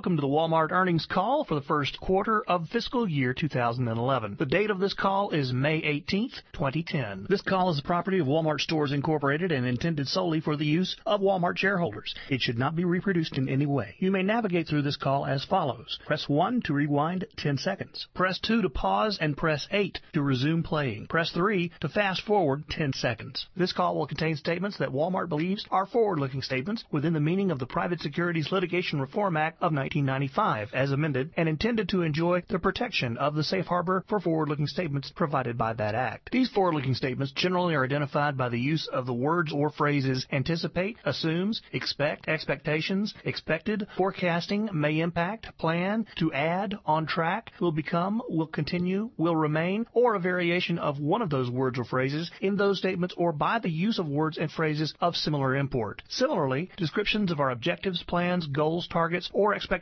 Welcome to the Walmart Earnings Call for the Q1 of Fiscal Year 2011. The date of this call is May 18, 2010. This call is the property of Walmart Stores Incorporated and intended solely for the use of Walmart shareholders. It should not be reproduced in any way. You may navigate through this call as follows. Press 1 to rewind 10 seconds. Press 2 to pause and press 8 to resume playing. Press 3 to fast forward 10 seconds. This call will contain statements that Walmart believes are forward looking statements within the meaning of the Private Securities Litigation Reform Act of 19 90 5 as amended and intended to enjoy the protection of the Safe Harbor for forward looking statements provided by that act. These forward looking statements Generally are identified by the use of the words or phrases anticipate, assumes, expect, expectations, expected, forecasting, may impact, plan, to add, On track, will become, will continue, will remain or a variation of one of those words or phrases in those statements or by the use of words and phrases of similar import. Similarly, descriptions of our objectives, plans, goals, targets or expectations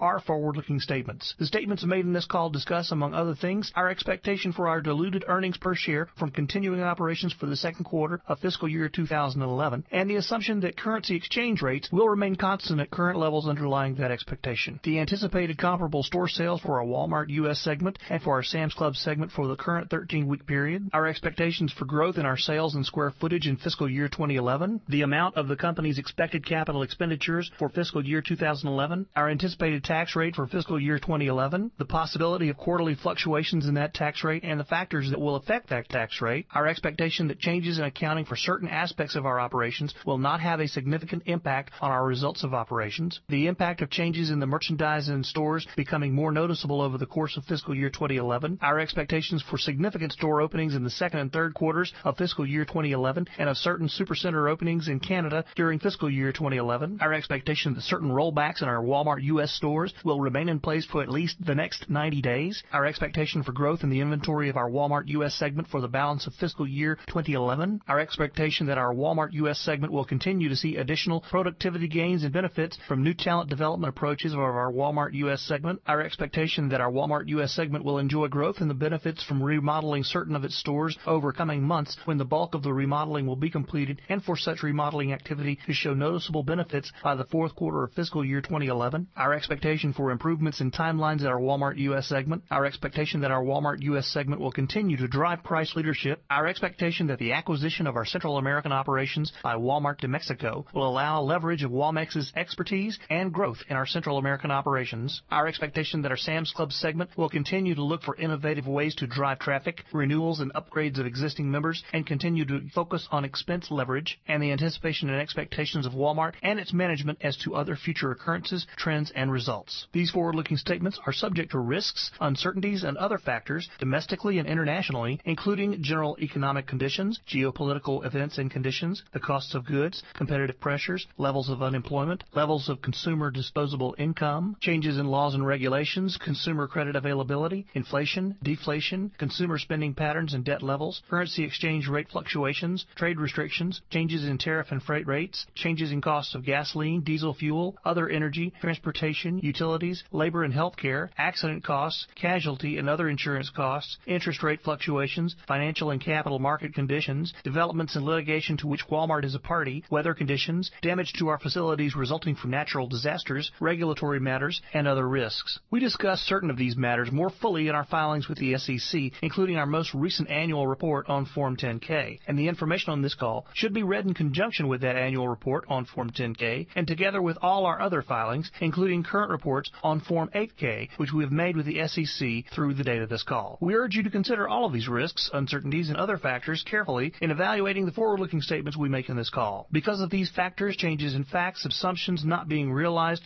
are forward looking statements. The statements made in this call discuss, among The things our expectation for our diluted earnings per share from continuing operations for the Q2 of fiscal year 2011 and the assumption that currency Change rates will remain constant at current levels underlying that expectation. The anticipated comparable store sales for our Walmart U. S. Segment and for our Sam's Club segment for the current 13 week period. Our expectations for growth in our sales and square footage in fiscal year 2011, the amount of the company's expected capital expenditures for fiscal year 2011, our anticipated tax rate for fiscal year 2011, the possibility of quarterly fluctuations in that tax rate and the Factors that will affect that tax rate, our expectation that changes in accounting for certain aspects of our operations will not have a significant impact On our results of operations, the impact of changes in the merchandise and stores becoming more noticeable over the course of fiscal year 2011, our expectations for significant store openings in the and third quarters of fiscal year 2011 and a certain supercenter openings in Canada during fiscal year 2011. Our expectation that certain rollbacks in our Walmart U. S. Stores will remain in place for at least the next 90 days. Our expectation for growth in the inventory of our Walmart U. S. Segment for the balance of fiscal year 2011, Our expectation that our Walmart U. S. Segment will continue to see additional productivity gains and benefits from new talent development approaches of our Walmart U. S. Segment, Our expectation that our Walmart U. S. Segment will enjoy growth in the benefits from remodeling certain of its stores over coming months when the bulk of the remodeling will be completed and for such remodeling activity to show noticeable benefits by the Q4 of fiscal year 2011, our expectation for improvements in time lines at our Walmart U. S. Segment, our expectation that our Walmart U. S. Segment will continue to drive Price leadership, our expectation that the acquisition of our Central American operations by Walmart to Mexico will allow leverage of Walmex's expertise and growth in our Central American operations. Our expectation that our Sam's Club segment will continue to look for innovative ways to drive traffic, renewals and upgrades of existing members and continue to focus on expense leverage and the anticipation and expectations of Walmart and its management as to other future occurrences, trends and results. These forward looking statements are subject to risks, uncertainties and other factors domestically and internationally, including general economic conditions, geopolitical events and conditions, the cost of goods, competitive pressures, levels of unemployment, levels So consumer disposable income, changes in laws and regulations, consumer credit availability, inflation, deflation, consumer spending patterns and debt levels, currency See exchange rate fluctuations, trade restrictions, changes in tariff and freight rates, changes in costs of gasoline, diesel fuel, other energy, transportation, utilities, labor and healthcare, Accident costs, casualty and other insurance costs, interest rate fluctuations, financial and capital market conditions, developments in litigation to which Walmart is a party, weather conditions, damage to our facilities resulting from natural disasters, regulatory matters and other risks. We discuss certain of these matters more fully in Filings with the SEC, including our most recent annual report on Form 10 ks and the information on this call should be read in conjunction with that annual on Form 10 ks and together with all our other filings, including current reports on Form 8 ks, which we have made with the SEC through the date of this call. We urge you to consider All of these risks, uncertainties and other factors carefully in evaluating the forward looking statements we make in this call. Because of these factors, changes in facts, assumptions not being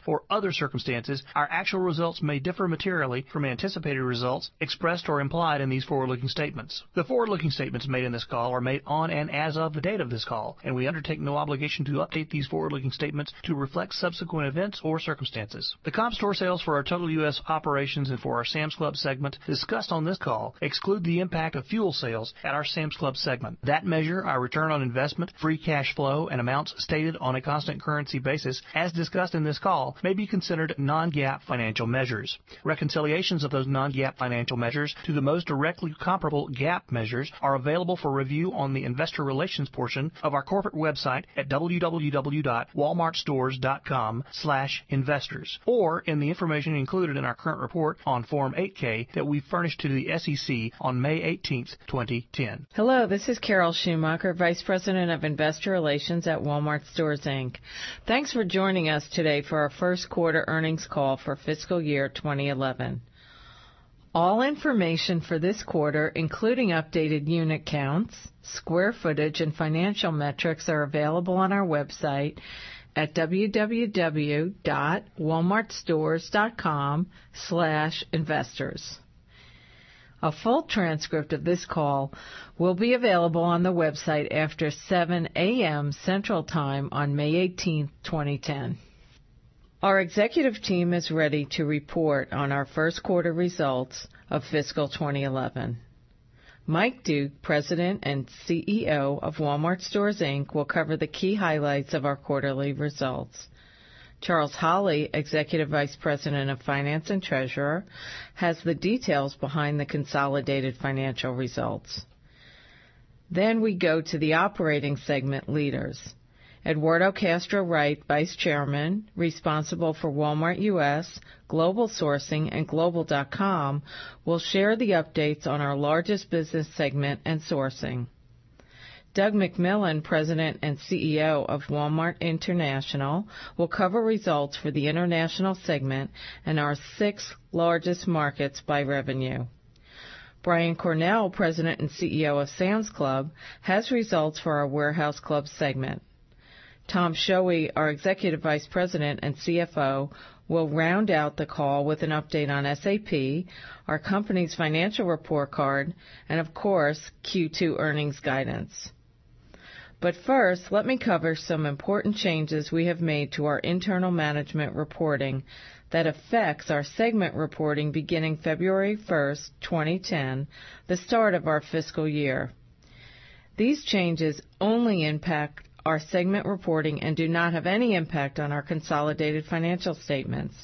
For other circumstances, our actual results may differ materially from anticipated results expressed or implied in these forward looking statements. The forward looking statements made in this call are made on and as of the date of this call, and we undertake no obligation to update these forward looking statements to reflect subsequent events or circumstances. The comp store sales for our total U. S. Operations and for our Sam's Club Segment discussed on this call exclude the impact of fuel sales at our Sam's Club segment. That measure, our return on investment, free cash flow and amounts Stated on a constant currency basis, as discussed in this call, may be considered non GAAP financial measures. Reconciliations of those non GAAP Financial measures to the most directly comparable GAAP measures are available for review on the Investor Relations portion of our corporate website at www.walmartstores.com/investors or in the information included in our current report on Form that we furnished to the SEC on May 18, 2010. Hello. This is Carol Schumacher, Vice President of Investor Relations at Walmart Stores Inc. Thanks for joining us today for our Q1 earnings call for fiscal year 2011. All information for this quarter, Including updated unit counts, square footage and financial metrics are available on our website at www. Walmartstores.com/investors. A full transcript of this call Will be available on the website after 7 a. M. Central Time on May 18, 2010. Our executive team is ready to report on our Q1 results of fiscal 2011. Mike Duke, President and CEO of Walmart Stores Inc, will cover the key highlights of our quarterly results. Charles Holly, Executive Vice President of Finance and Treasurer, has the details behind the consolidated financial results. Then we go to the operating segment leaders. Eduardo Castro Wright, Vice Chairman, responsible for Walmart U. S, Global sourcingandglobal.com will share the updates on our largest business segment and sourcing. Doug McMillan, President and CEO of Walmart International, will cover results for the International segment And our 6 largest markets by revenue. Brian Cornell, President and CEO of Sam's Club has results for our warehouse club segment. Tom Shoey, our Executive Vice President and CFO, We'll round out the call with an update on SAP, our company's financial report card and of course, Q2 earnings guidance. But first, let me cover some important changes we have made to our internal management reporting that FX are segment reporting beginning February 1, 2010, the start of our fiscal year. These changes Only impact our segment reporting and do not have any impact on our consolidated financial statements.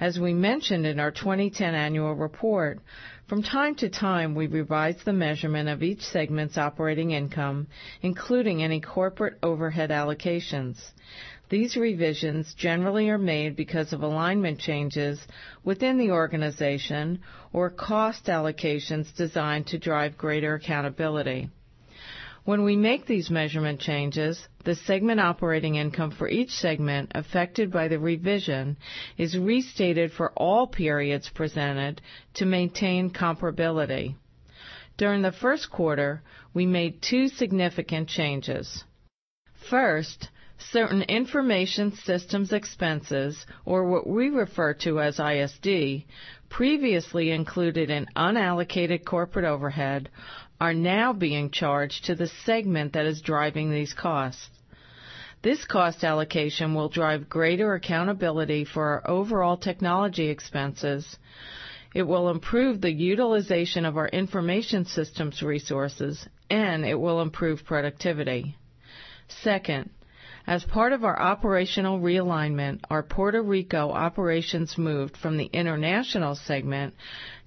As we mentioned in our 2010 annual report, From time to time, we revise the measurement of each segment's operating income, including any corporate overhead allocations. These revisions generally are made because of alignment changes within the organization or cost allocations designed And to drive greater accountability. When we make these measurement changes, the segment operating income for each segment affected by the revision is restated for all periods presented to maintain comparability. During the Q1, we made 2 significant changes. First, certain information systems expenses or what we refer to as ISD previously included in unallocated Corporate overhead are now being charged to the segment that is driving these costs. This cost allocation And we'll drive greater accountability for our overall technology expenses. It will improve the utilization of our information systems resources and it will improve productivity. 2nd, as part of our operational realignment, Our Puerto Rico operations moved from the International segment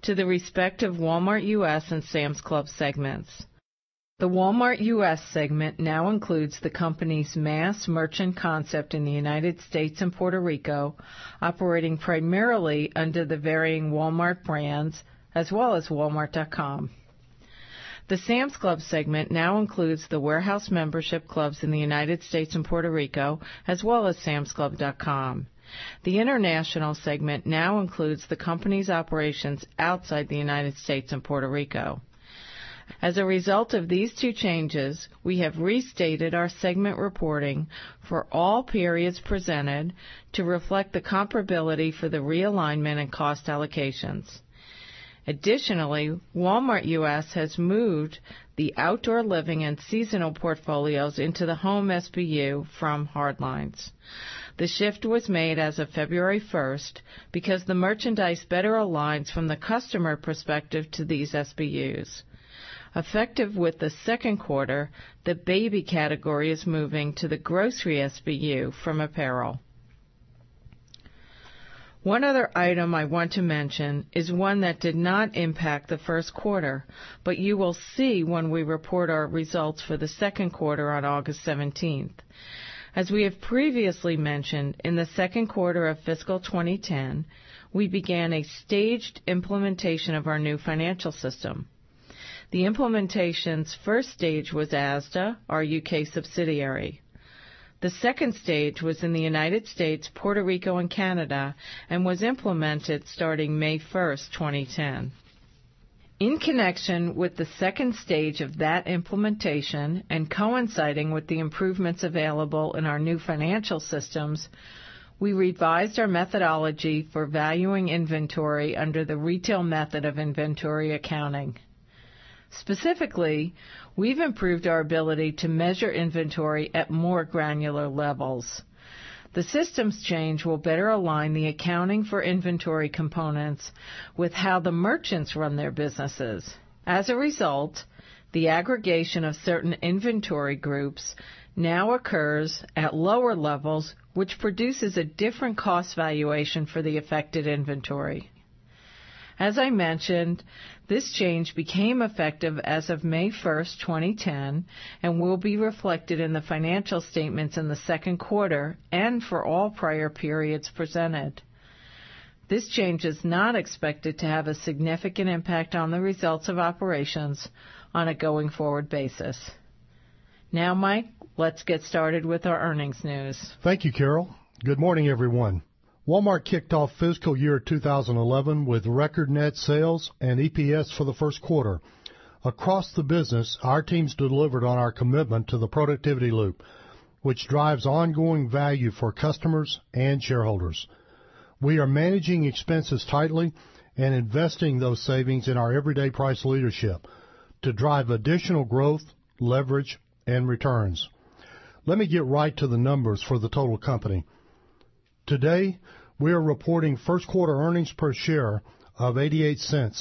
to the respective Walmart U. S. And Sam's Club segments. The Walmart U. S. Segment now includes the company's mass merchant concept in the United States and Puerto Rico, Operating primarily under the varying Walmart brands as well as walmart.com. The Sam's Club segment now includes The warehouse membership clubs in the United States and Puerto Rico as well as samsclub.com. The international segment now includes the company's operations Outside the United States and Puerto Rico. As a result of these two changes, we have restated our segment reporting For all periods presented to reflect the comparability for the realignment and cost allocations. Additionally, Walmart U. S. Has moved the outdoor living and seasonal portfolios into the home SBU from hardlines. The shift was made as of February 1, because the merchandise better aligns from the customer perspective to these SBUs. Effective with the Q2, the baby category is moving to the grocery SBU from apparel. One other item I want to mention is one that did not impact the Q1, but you will see when we We report our results for the Q2 on August 17. As we have previously mentioned, in the Q2 of fiscal 2010, We began a staged implementation of our new financial system. The implementation's first stage was ASDA, our U. K. Subsidiary. The second stage was in the United States, Puerto Rico and Canada and was implemented starting May 1, 2010. In connection with the 2nd stage of that implementation and coinciding with the improvements available in our new financial systems, We revised our methodology for valuing inventory under the retail method of inventory accounting. Specifically, we've improved our ability to measure inventory at more granular levels. The systems change will better align the Accounting for inventory components with how the merchants run their businesses. As a result, the aggregation of certain inventory groups Now occurs at lower levels, which produces a different cost valuation for the affected inventory. As I mentioned, this change became effective as of May 1, 2010 and will be reflected in the financial Statements in the Q2 and for all prior periods presented. This change is not expected to have a significant impact on the results of operations on a going forward basis. Now Mike, let's get started with our earnings Thank you, Carol. Good morning, everyone. Walmart kicked off fiscal year 2011 with record net sales and EPS for the Q1. Across the business, our teams delivered on our commitment to the productivity loop, which drives ongoing value for customers and shareholders. We are managing expenses tightly and investing those savings in our everyday price leadership to drive additional growth, leverage And returns. Let me get right to the numbers for the total company. Today, we are reporting 1st quarter earnings per share of $0.88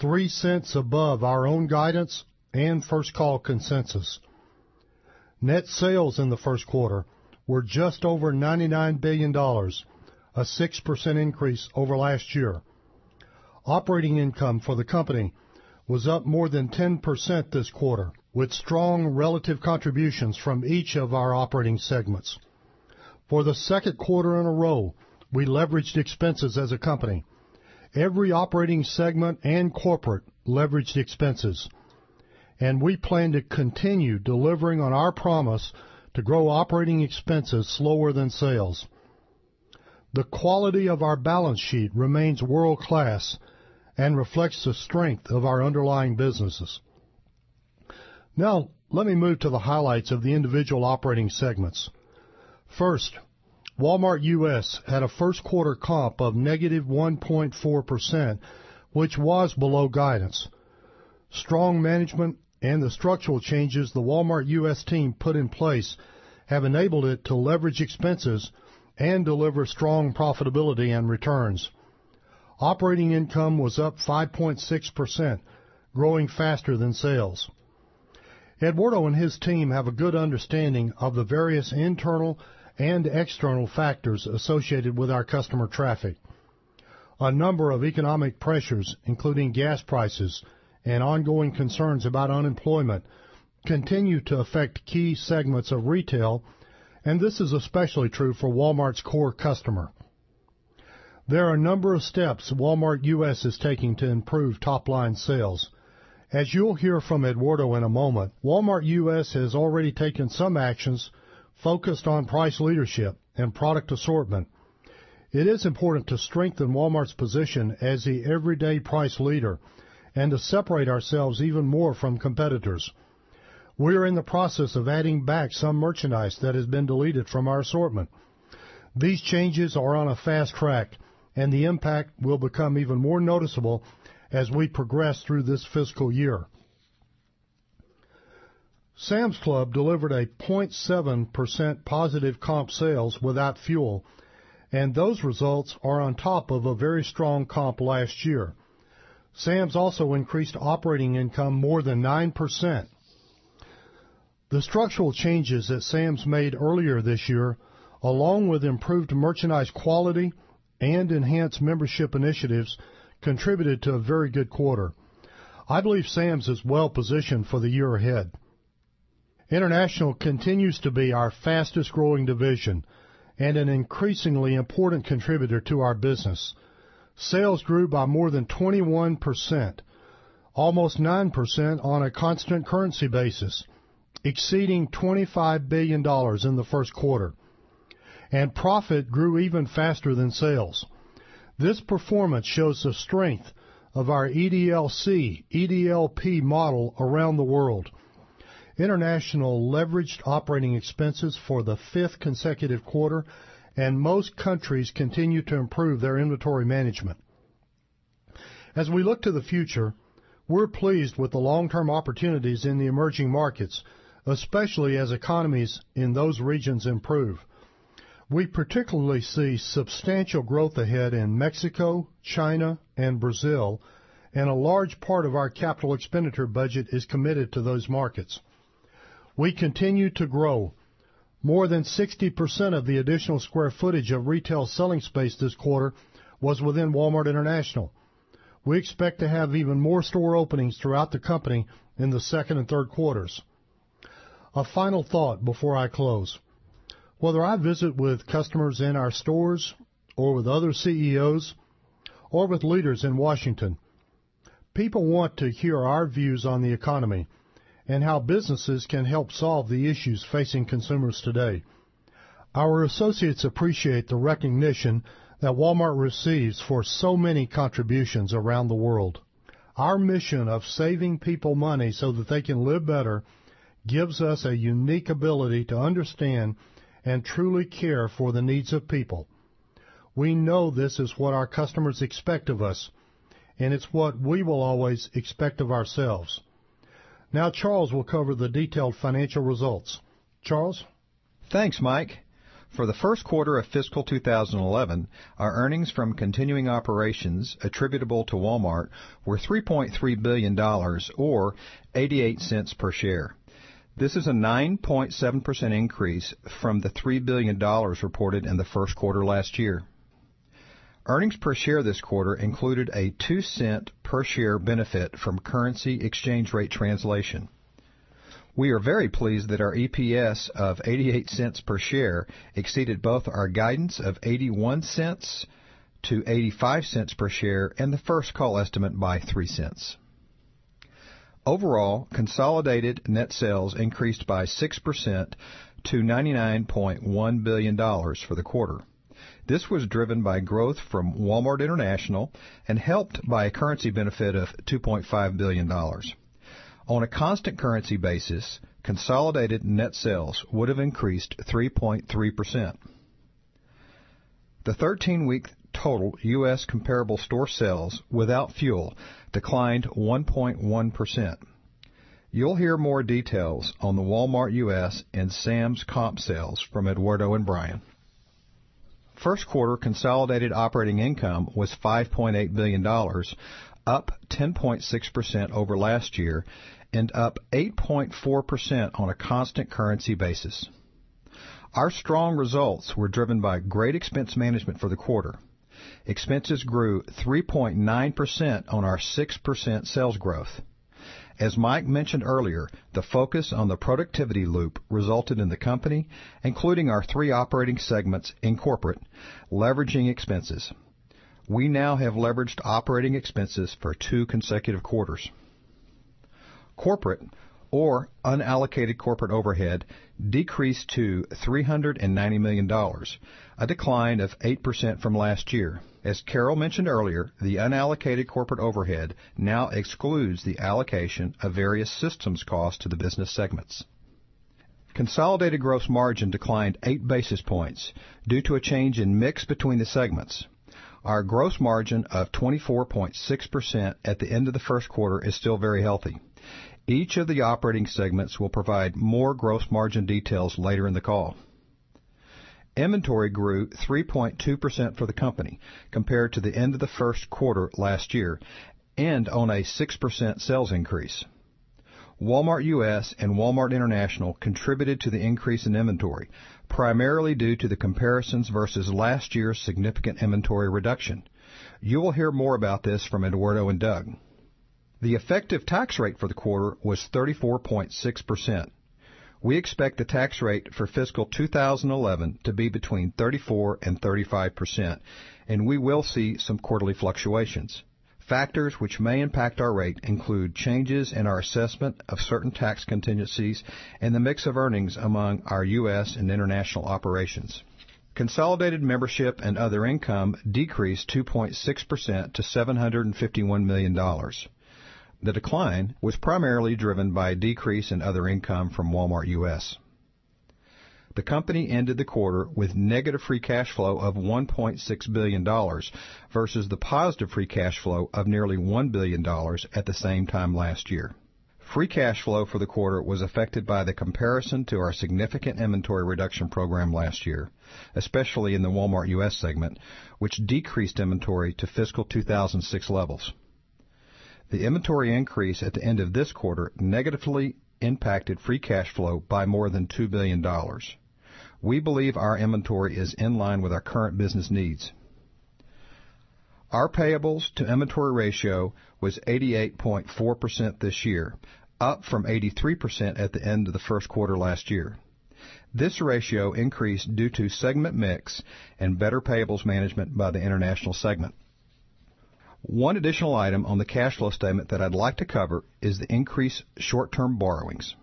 $0.03 above our own guidance and first call consensus. Net sales in the Q1 were just over $99,000,000,000 a 6% increase over last year. Operating income for the company was up more than 10% this quarter with strong relative contributions from each of our operating segments. For the Q2 in a row, we leveraged expenses as a company. Every operating segment and corporate leveraged expenses, And we plan to continue delivering on our promise to grow operating expenses slower than sales. The quality of our balance sheet remains world class and reflects the strength of our underlying businesses. Now let me move to the highlights of the individual operating segments. First, Walmart U. S. Had a first quarter comp of negative one 0.4%, which was below guidance. Strong management and the structural changes the Walmart U. S. Team put in place Have enabled it to leverage expenses and deliver strong profitability and returns. Operating income was up 5.6%, Growing faster than sales. Eduardo and his team have a good understanding of the various internal And external factors associated with our customer traffic. A number of economic pressures, including gas prices And ongoing concerns about unemployment continue to affect key segments of retail and this is especially true for Walmart's core customer. There are a number of steps Walmart U. S. Is taking to improve top line sales. As you'll hear from Eduardo in a moment, Walmart U. S. Has already taken some actions focused on price leadership and product assortment. It is important to strengthen Walmart's position As the everyday price leader and to separate ourselves even more from competitors, we are in the process of adding back Some merchandise that has been deleted from our assortment. These changes are on a fast track and the impact will become even more noticeable As we progress through this fiscal year, Sam's Club delivered a 0.7% Positive comp sales without fuel and those results are on top of a very strong comp last year. Sam's also increased operating income more than 9%. The structural changes that Sam's made earlier this year, Along with improved merchandise quality and enhanced membership initiatives contributed to a very good quarter. I believe Sam's is well positioned for the year ahead. International continues to be our fastest growing division And an increasingly important contributor to our business. Sales grew by more than 21%, Almost 9% on a constant currency basis, exceeding $25,000,000,000 in the first quarter And profit grew even faster than sales. This performance shows the strength of our EDLC, EDLP model Around the world, international leveraged operating expenses for the 5th consecutive quarter and Most countries continue to improve their inventory management. As we look to the future, we're pleased with the long term opportunities in the emerging markets, Especially as economies in those regions improve. We particularly see substantial growth ahead in Mexico, China and Brazil And a large part of our capital expenditure budget is committed to those markets. We continue to grow More than 60% of the additional square footage of retail selling space this quarter was within Walmart International. We expect to have even more store openings throughout the company in the second and third quarters. A final thought before I close. Whether I visit with customers in our stores or with other CEOs or with leaders in Washington, People want to hear our views on the economy and how businesses can help solve the issues facing consumers today. Our associates appreciate the recognition that Walmart receives for so many contributions around the world. Our mission of saving people money so that they can live better gives us a unique ability to understand And truly care for the needs of people. We know this is what our customers expect of us and it's what we will always expect of ourselves. Now Charles will cover the detailed financial results. Charles? Thanks, Mike. For the Q1 of fiscal 2011, Our earnings from continuing operations attributable to Walmart were $3,300,000,000 or $0.88 per share. This is a 9.7% increase from the $3,000,000,000 reported in the Q1 last year. Earnings per share this quarter included a $0.02 per share benefit from currency exchange rate translation. We are very pleased that our EPS of $0.88 per share exceeded both our guidance of $0.81 to $0.85 per share and the 1st call estimate by $0.03 Overall, consolidated net sales increased by 6% to $99,100,000,000 for the quarter. This was driven by growth from Walmart International And helped by a currency benefit of $2,500,000,000 On a constant currency basis, consolidated net Sales would have increased 3.3%. The 13 week total U. S. Comparable store sales without fuel Declined 1.1 percent. You'll hear more details on the Walmart U. S. And Sam's comp sales from Eduardo and Brian. 1st quarter consolidated operating income was $5,800,000,000 up 10.6% over last year And up 8.4% on a constant currency basis. Our strong results were driven by great expense management for the quarter. Expenses grew 3.9% on our 6% sales growth. As Mike mentioned earlier, The focus on the productivity loop resulted in the company, including our 3 operating segments in corporate, leveraging expenses. We now have leveraged operating expenses for 2 consecutive quarters. Corporate or unallocated corporate overhead decreased to $390,000,000 a decline of 8% from last year. As Carol mentioned earlier, the unallocated corporate overhead now The allocation of various systems costs to the business segments. Consolidated gross margin declined 8 basis points Due to a change in mix between the segments, our gross margin of 24.6% at the end of the Q1 is still very healthy. Each of the operating segments will provide more gross margin details later in the call. Inventory grew 3.2% for the company Compared to the end of the Q1 last year and on a 6% sales increase. Walmart U. S. And Walmart International contributed to the increase in inventory, primarily due to the comparisons versus last year's significant inventory reduction. You will hear more about this from Eduardo and Doug. The effective tax rate for the quarter was 34.6%. We expect the tax rate for fiscal 2011 to be between 34% 35% and we will see some quarterly fluctuations. Factors which may impact our rate include changes in our assessment of certain tax contingencies and the mix of earnings among our U. S. And international operations. Consolidated membership and other income decreased 2.6 percent to $751,000,000 The decline was primarily driven by a decrease in other income from Walmart U. S. The company ended the quarter with negative free cash of $1,600,000,000 versus the positive free cash flow of nearly $1,000,000,000 at the same time last year. Free cash flow for the quarter was affected by the comparison to our significant inventory reduction program last year, especially in the Walmart U. S. Segment, Which decreased inventory to fiscal 2,006 levels. The inventory increase at the end of this quarter negatively Impacted free cash flow by more than $2,000,000,000 We believe our inventory is in line with our current business needs. Our payables to inventory ratio was 88.4% this year, up from 83% at the end of the Q1 last year. This ratio increased due to segment mix and better payables management by the international segment. One additional item on the cash flow statement that I'd like to cover is the increased short term borrowings.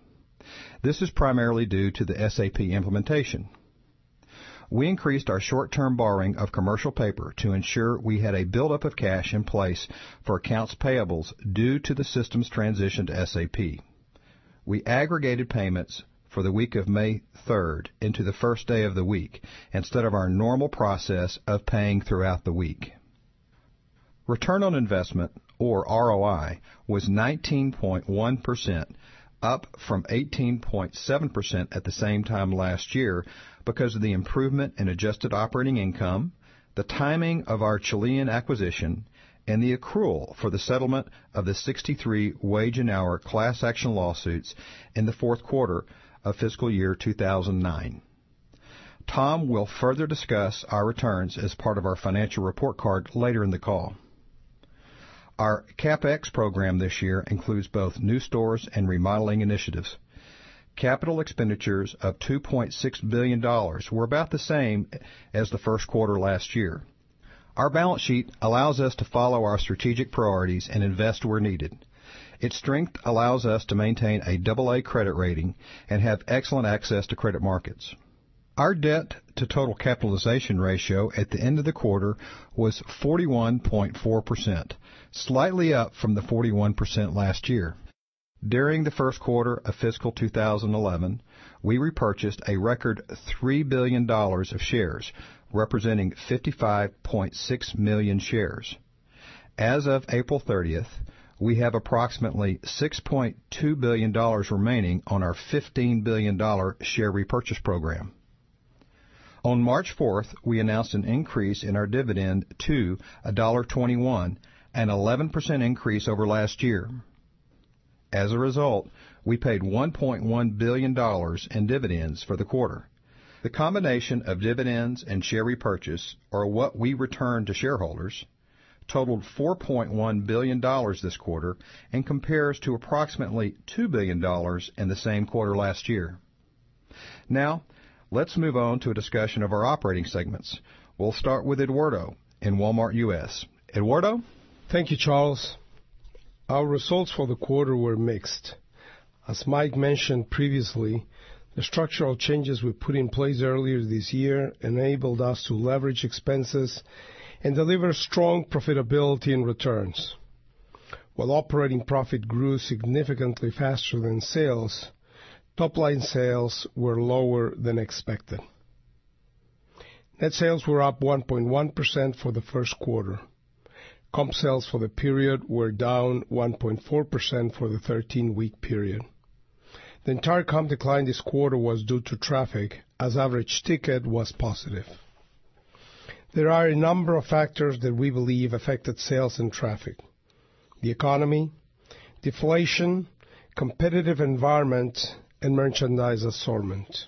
This is primarily due to the SAP implementation. We increased our short term borrowing of commercial paper to ensure we had a buildup of cash in place for accounts payables due to the systems transition to SAP. We aggregated payments for the week of May 3rd into the 1st day of the week, instead of our normal process of paying throughout the week. Return on investment or ROI was 19.1%, up from 18 point 7% at the same time last year because of the improvement in adjusted operating income, the timing of our Chilean acquisition And the accrual for the settlement of the 63 wage an hour class action lawsuits in the Q4 of fiscal year 2,009. Tom will further discuss our returns as part of our financial report card later in the call. Our CapEx program this year includes both new stores and remodeling initiatives. Capital expenditures of 2 point $6,000,000,000 were about the same as the Q1 last year. Our balance sheet allows us to follow our strategic priorities and invest where needed. Its strength allows us to maintain a AA credit rating and have excellent access to credit markets. Our debt The total capitalization ratio at the end of the quarter was 41.4%, slightly up from the 41% last year. During the Q1 of fiscal 2011, we repurchased a record $3,000,000,000 of shares, Representing 55,600,000 shares. As of April 30th, we have approximately 6 point $2,000,000,000 remaining on our $15,000,000,000 share repurchase program. On March 4, we announced an increase in our dividend To a $1.21 an 11% increase over last year. As a result, we paid 1,100,000,000 dollars and dividends for the quarter. The combination of dividends and share repurchase or what we returned to shareholders Totaled $4,100,000,000 this quarter and compares to approximately $2,000,000,000 in the same quarter last year. Now, let's move on to a discussion of our operating segments. We'll start with Eduardo in Walmart U. S. Eduardo? Thank you, Charles. Our results for the quarter were mixed. As Mike mentioned previously, the structural changes we put in place earlier this This year enabled us to leverage expenses and deliver strong profitability and returns. While operating profit grew significantly topline sales were lower than expected. Net sales were up 1.1% for the Q1. Comp sales for the period were down 1.4% for the 13 week period. The entire comp decline this quarter was due to traffic As average ticket was positive, there are a number of factors that we believe affected sales and traffic. The economy, deflation, competitive environment and merchandise assortment.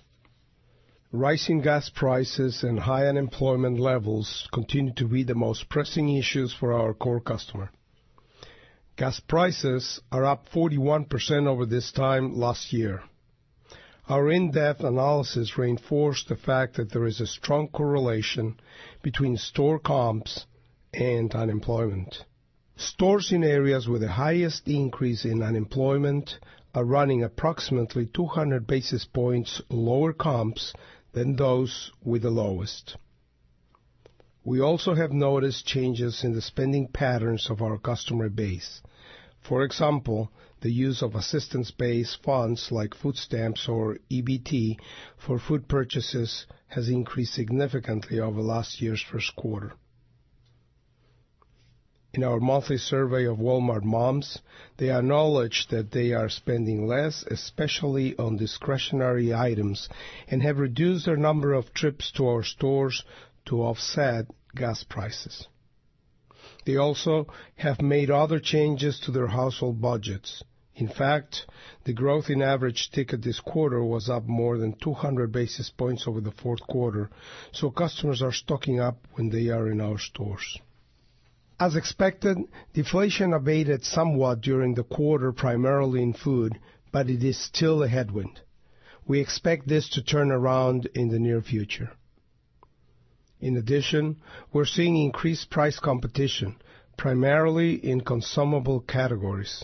Rising gas prices and high unemployment levels continue to be the most pressing issues for our core customer. Gas prices are up 41% over this time last year. Our in-depth analysis reinforced the fact That there is a strong correlation between store comps and unemployment. Stores in areas with the highest increase in unemployment Running approximately 200 basis points lower comps than those with the lowest. We also have noticed changes in the spending patterns of our customer base. For example, the use of assistance based funds like food Stamps or EBT for food purchases has increased significantly over last year's Q1. In our monthly survey of Walmart moms, they acknowledge that they are spending less especially on Discretionary items and have reduced our number of trips to our stores to offset gas prices. They also have made other Changes to their household budgets. In fact, the growth in average ticket this quarter was up more than 200 basis points over the 4th quarter. So customers are stocking up when they are in our stores. As expected, deflation abated somewhat during the quarter primarily in food, But it is still a headwind. We expect this to turn around in the near future. In addition, We're seeing increased price competition, primarily in consumable categories.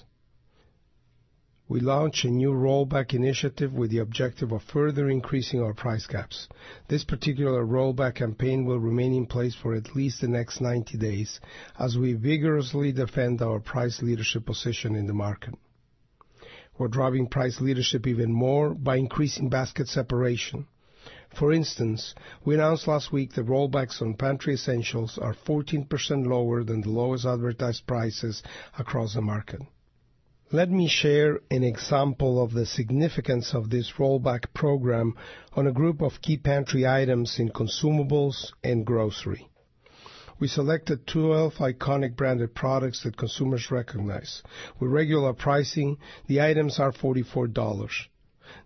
We launched a new rollback initiative with the objective of further increasing our price caps. This particular rollback campaign will remain in place for at least the next 90 days As we vigorously defend our price leadership position in the market, we're driving price leadership even more by increasing basket separation. For instance, we announced last week the rollbacks on Pantry Essentials are 14% lower than the lowest advertised prices across the market. Let me share an example of the significance of this rollback program on a group of key pantry items in consumables and grocery. We selected 2 elf iconic branded products that consumers recognize. With regular pricing, the items are $44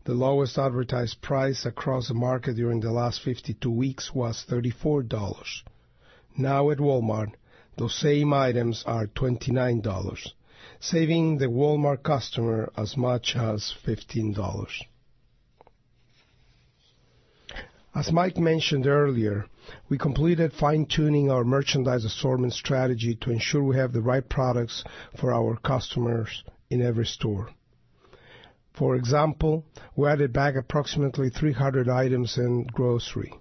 The lowest advertised price across the market during the last 52 weeks was $34 Now at Walmart, Those same items are $29 saving the Walmart customer as much as $15 As Mike mentioned earlier, we completed fine tuning our merchandise assortment strategy to ensure we have the right products For our customers in every store. For example, we added back approximately 300 items in grocery.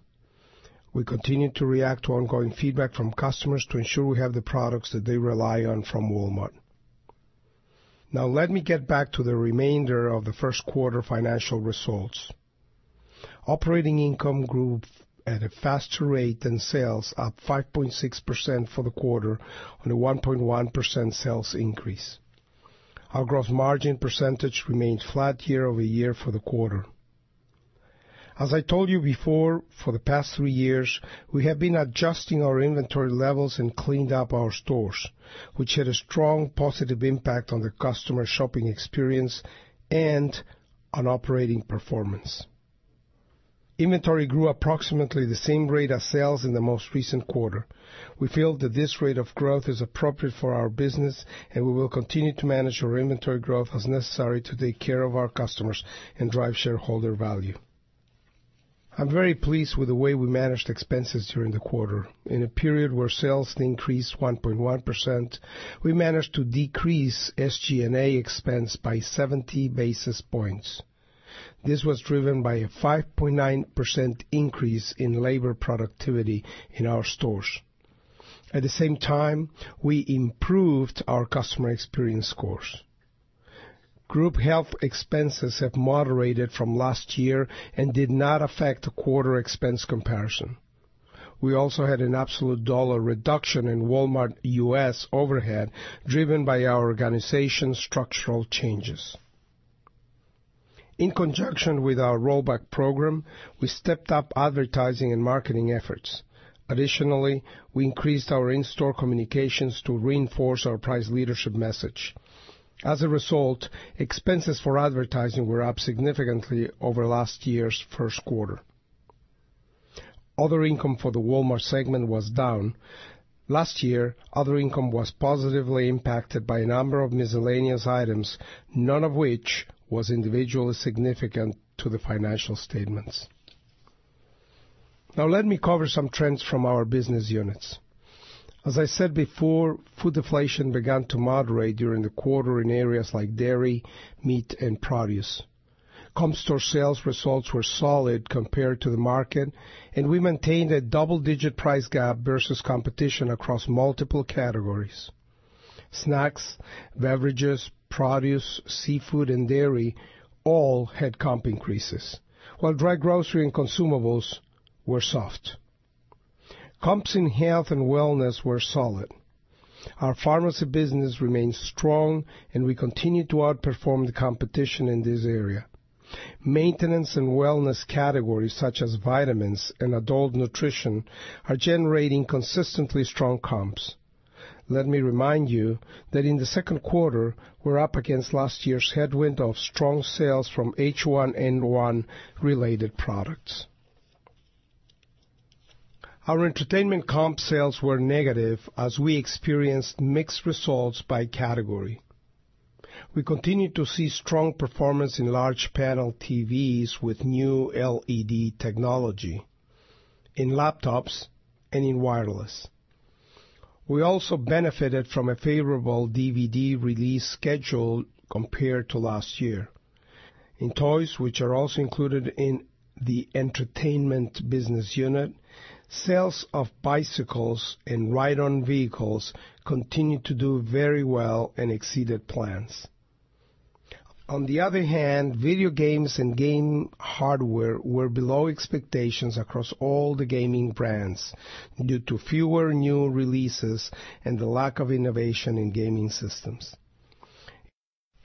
We continue to react to ongoing feedback from customers to ensure we have the products that they rely on from Walmart. Now let me get back to the remainder of the Q1 financial results. Operating income grew At a faster rate than sales, up 5.6% for the quarter on a 1.1% sales increase. Our gross margin percentage remains flat year over year for the quarter. As I told you before, for the past 3 years, We have been adjusting our inventory levels and cleaned up our stores, which had a strong positive impact on the customer shopping experience and On operating performance, inventory grew approximately the same rate of sales in the most recent quarter. We feel that this rate of growth is appropriate for our business and we will continue to manage our inventory growth as necessary to take care of our customers and drive shareholder value. I'm very pleased with the way we managed expenses during the quarter. In a period where sales increased 1.1%, We managed to decrease SG and A expense by 70 basis points. This was driven by a 5.9% increase in labor productivity in our stores. At the same time, we improved our customer experience scores. Group health expenses have moderated from last year and did not affect the quarter expense comparison. We also had an absolute dollar reduction in Walmart U. S. Overhead driven by our organization's structural changes. In conjunction with our rollback program, we stepped up advertising and marketing efforts. Additionally, We increased our in store communications to reinforce our price leadership message. As a result, expenses for advertising were up significantly Over last year's Q1. Other income for the Walmart segment was down. Last year, other income was impacted by a number of miscellaneous items, none of which was individually significant to the financial statements. Now let me cover some trends from our business units. As I said before, food deflation began to moderate during the quarter in areas like dairy, meat and produce. Com store sales results were solid compared to the market And we maintained a double digit price gap versus competition across multiple categories. Snacks, Beverages, produce, seafood and dairy all had comp increases, while dry grocery and consumables were soft. Comps in Health and Wellness were solid. Our pharmacy business remains strong and we continue to outperform the competition in this area. Maintenance and wellness categories such as vitamins and adult nutrition are generating consistently strong comps. Let me remind you that in the Q2, we're up against last year's headwind of strong sales from H1N1 related products. Our entertainment comp sales were negative as we experienced mixed results by category. We continue to see strong performance in large panel TVs with new LED technology, In laptops and in wireless. We also benefited from a favorable DVD release schedule Compared to last year, in toys which are also included in the entertainment business unit, Sales of bicycles and ride on vehicles continue to do very well and exceeded plans. On the other hand, video games and game hardware were below expectations across all the gaming brands due to fewer new releases and the lack of innovation in gaming systems.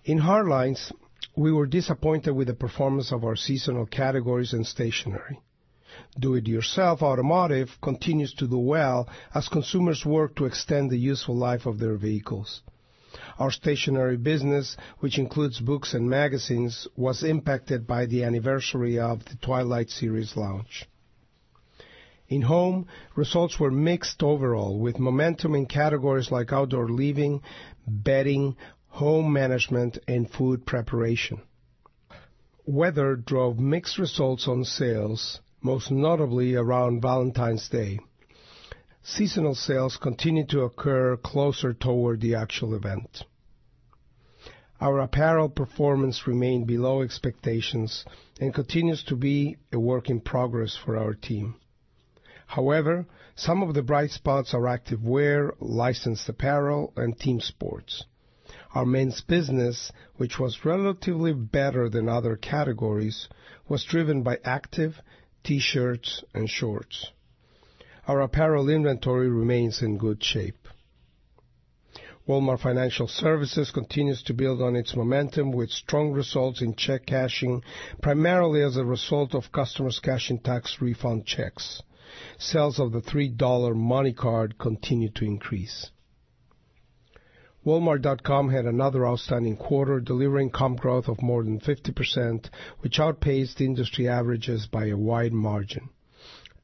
In Hardlines, We were disappointed with the performance of our seasonal categories and stationary. Do it yourself automotive continues to do well As consumers work to extend the useful life of their vehicles, our stationary business, which includes books and magazines, Was impacted by the anniversary of the Twilight series launch. In Home, results were mixed Overall, with momentum in categories like outdoor leaving, bedding, home management and food preparation. Weather drove mixed results on sales, most notably around Valentine's Day. Seasonal sales continued to occur closer toward the actual event. Our apparel performance remained below expectations And continues to be a work in progress for our team. However, some of the bright spots are activewear, licensed apparel and team sports. Our men's business, which was relatively better than other categories, was driven by active, T shirts and shorts. Our apparel inventory remains in good shape. Walmart Financial Services continues to build on its momentum with strong results in check cashing, Primarily as a result of customers' cash and tax refund checks, sales of the $3 money card continued to increase. Walmart.com had another outstanding quarter delivering comp growth of more than 50%, which outpaced industry averages by a wide margin.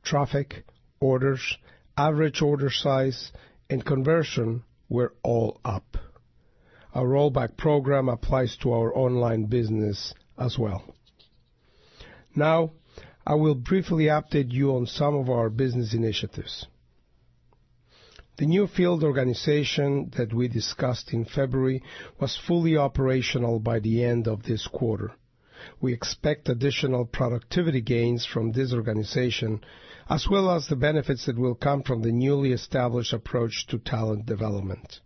Traffic, orders, average order size and conversion were all up. Our rollback program applies to our online business as well. Now I will briefly update you on some of our business The new field organization that we discussed in February was fully operational by the end of this quarter. We expect additional productivity gains from this organization as well as the benefits that will come from the newly established approach to talent development.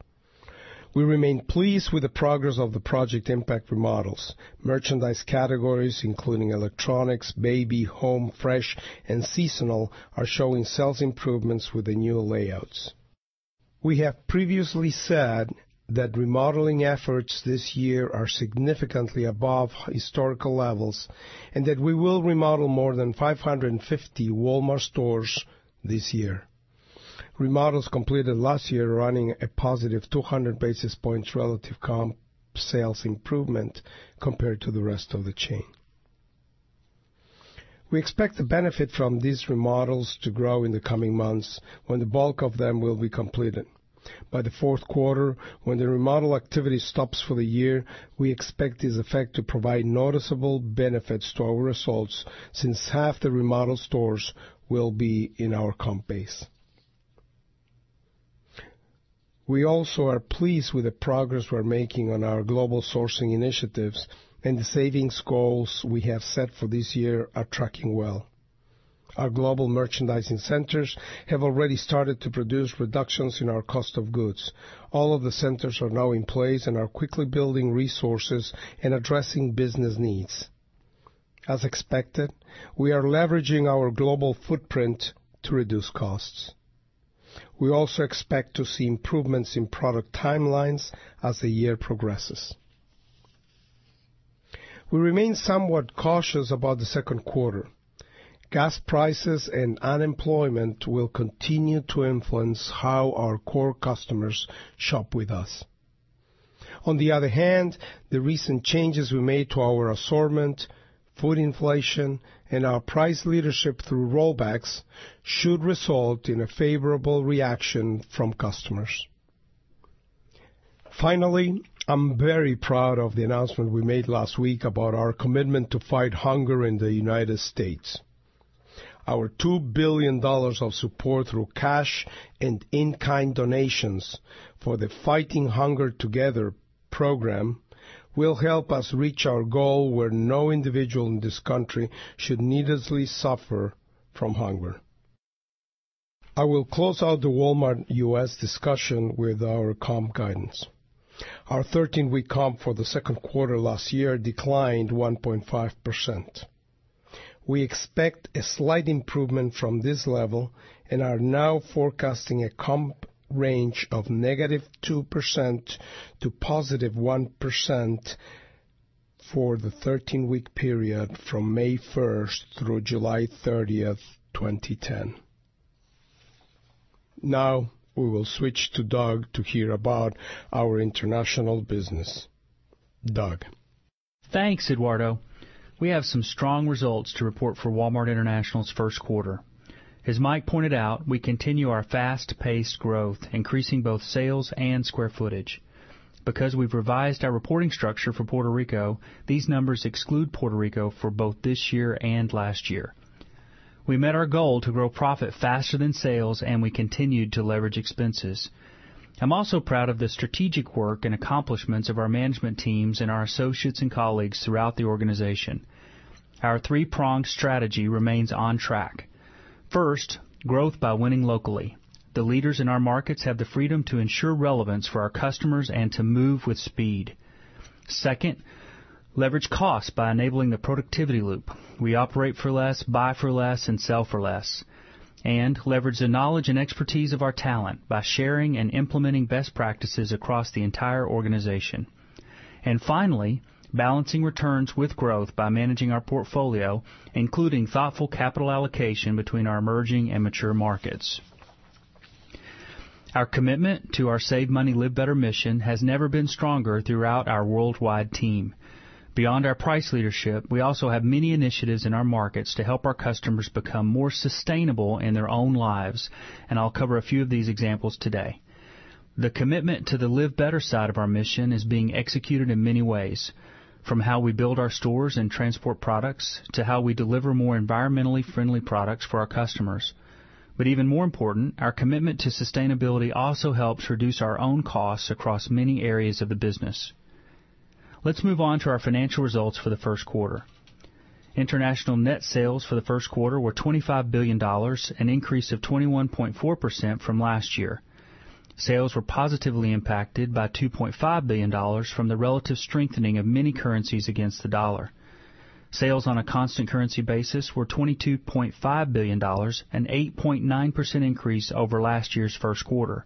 We remain pleased with the progress of the project impact remodels. Merchandise categories, including electronics, baby, home, fresh and seasonal Are showing sales improvements with the new layouts. We have previously said that remodeling efforts This year are significantly above historical levels and that we will remodel more than 550 Walmart stores this year. Remodels completed last year running a positive 200 basis points relative comp sales improvement compared to the rest of the chain. We expect the benefit from these remodels to grow in the coming months when the bulk of them will be completed. By the Q4, when the remodel activity stops for the year, we expect this effect to provide noticeable benefits to our results Since half the remodel stores will be in our comp base. We also are pleased with Progress we're making on our global sourcing initiatives and the savings goals we have set for this year are tracking well. Our global merchandising centers have already started to produce reductions in our cost of goods. All of the centers are now in place and are quickly building resources And addressing business needs. As expected, we are leveraging our global footprint to reduce costs. We also expect to see improvements in product time lines as the year progresses. We remain somewhat cautious about the Q2. Gas prices and unemployment will continue to influence how our core Customers shop with us. On the other hand, the recent changes we made to our assortment, Food inflation and our price leadership through rollbacks should result in a favorable reaction from customers. Finally, I'm very proud of the announcement we made last week about our commitment to fight hunger in the United States. Our $2,000,000,000 of support through cash and in kind donations for the Fighting Hunger Together program We'll help us reach our goal where no individual in this country should needlessly suffer from hunger. I will close out the Walmart U. S. Discussion with our comp guidance. Our 13 week comp for the 2nd quarter last year We expect a slight improvement from this level and are now forecasting a comp Range of negative 2% to positive 1% for the 13 week period From May 1 through July 30, 2010. Now we will switch to Doug to hear about Our international business, Doug. Thanks, Eduardo. We have some strong results to report for Walmart International's Q1. As Mike pointed out, we continue our fast paced growth, increasing both sales and square footage. Because we've revised our reporting structure for Puerto Rico, These numbers exclude Puerto Rico for both this year and last year. We met our goal to grow profit faster than sales and we continued to leverage expenses. I'm also proud of the strategic work and accomplishments of our management teams and our associates and colleagues throughout the organization. Our 3 pronged strategy remains on track. 1st, growth by winning locally. The leaders in our markets have the freedom to ensure relevance For our customers and to move with speed. 2nd, leverage cost by enabling the productivity loop. We operate for less, buy for less and sell for less. And leverage the knowledge and expertise of our talent by sharing and implementing best practices across the entire organization. And finally, balancing returns with growth by managing our portfolio, including thoughtful capital allocation between our emerging and mature markets. Our commitment to our save money, live better mission has never been stronger throughout our worldwide team. Beyond our price leadership, we also have many initiatives in our markets to help our customers become more sustainable in their own lives, and I'll cover a few of these examples today. The commitment to the live better side of our mission is being executed in many ways from how we build our stores and transport products to how we deliver more environmentally friendly products for our customers. But even more important, our commitment to sustainability also helps reduce our International net sales for the Q1 were $25,000,000,000 an increase of 21.4% from last year. Sales were positively impacted by $2,500,000,000 from the relative strengthening of many currencies against the dollar. Sales On a constant currency basis were $22,500,000,000 an 8.9% increase over last year's Q1.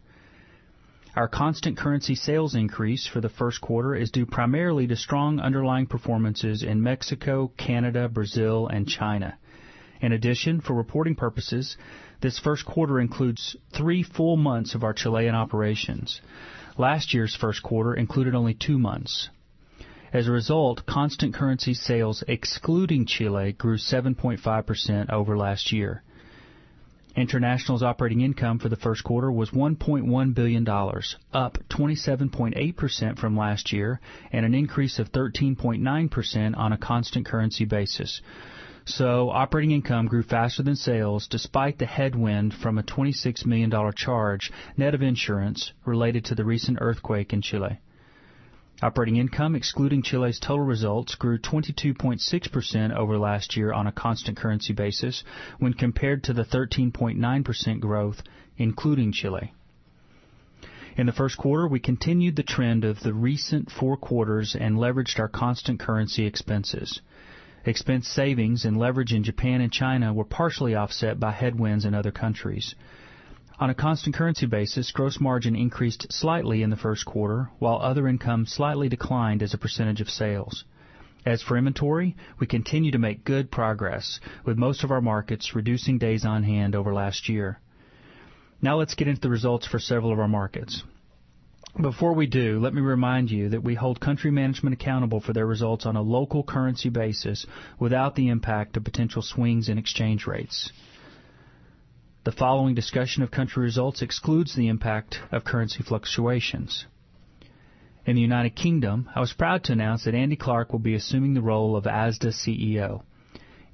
Our constant currency sales increase for the Q1 is due primarily to strong underlying performances in Mexico, Canada, Brazil and China. In addition, for reporting purposes, this Q1 includes 3 full months of our Chilean operations. Last year's Q1 included only 2 months. As a result, constant currency sales excluding Chile grew 7.5% over last year. International's operating income for the Q1 was $1,100,000,000 up 27.8% from last year And an increase of 13.9% on a constant currency basis. So operating income grew faster than sales despite the headwind from a $26,000,000 Charge net of insurance related to the recent earthquake in Chile. Operating income excluding Chile's total results grew 22 point 6% over last year on a constant currency basis when compared to the 13.9% growth including Chile. In the Q1, we continued the trend of the recent 4 quarters and leveraged our constant currency expenses. Expense savings and leverage in Japan and China were partially offset by headwinds in other countries. On a constant currency basis, gross margin increased slightly in the Q1 while other income slightly declined as a percentage of sales. As for inventory, we continue to make good progress with most of our markets reducing days on hand over last year. Now let's get into the results for several of our markets. Before we do, let me remind you that we hold country management accountable for their results on a local currency basis without the impact of potential swings in exchange rates. The following discussion of country results excludes the impact of currency fluctuations. In the United Kingdom, I was proud to announce that Andy Clark will be The role of Asda's CEO.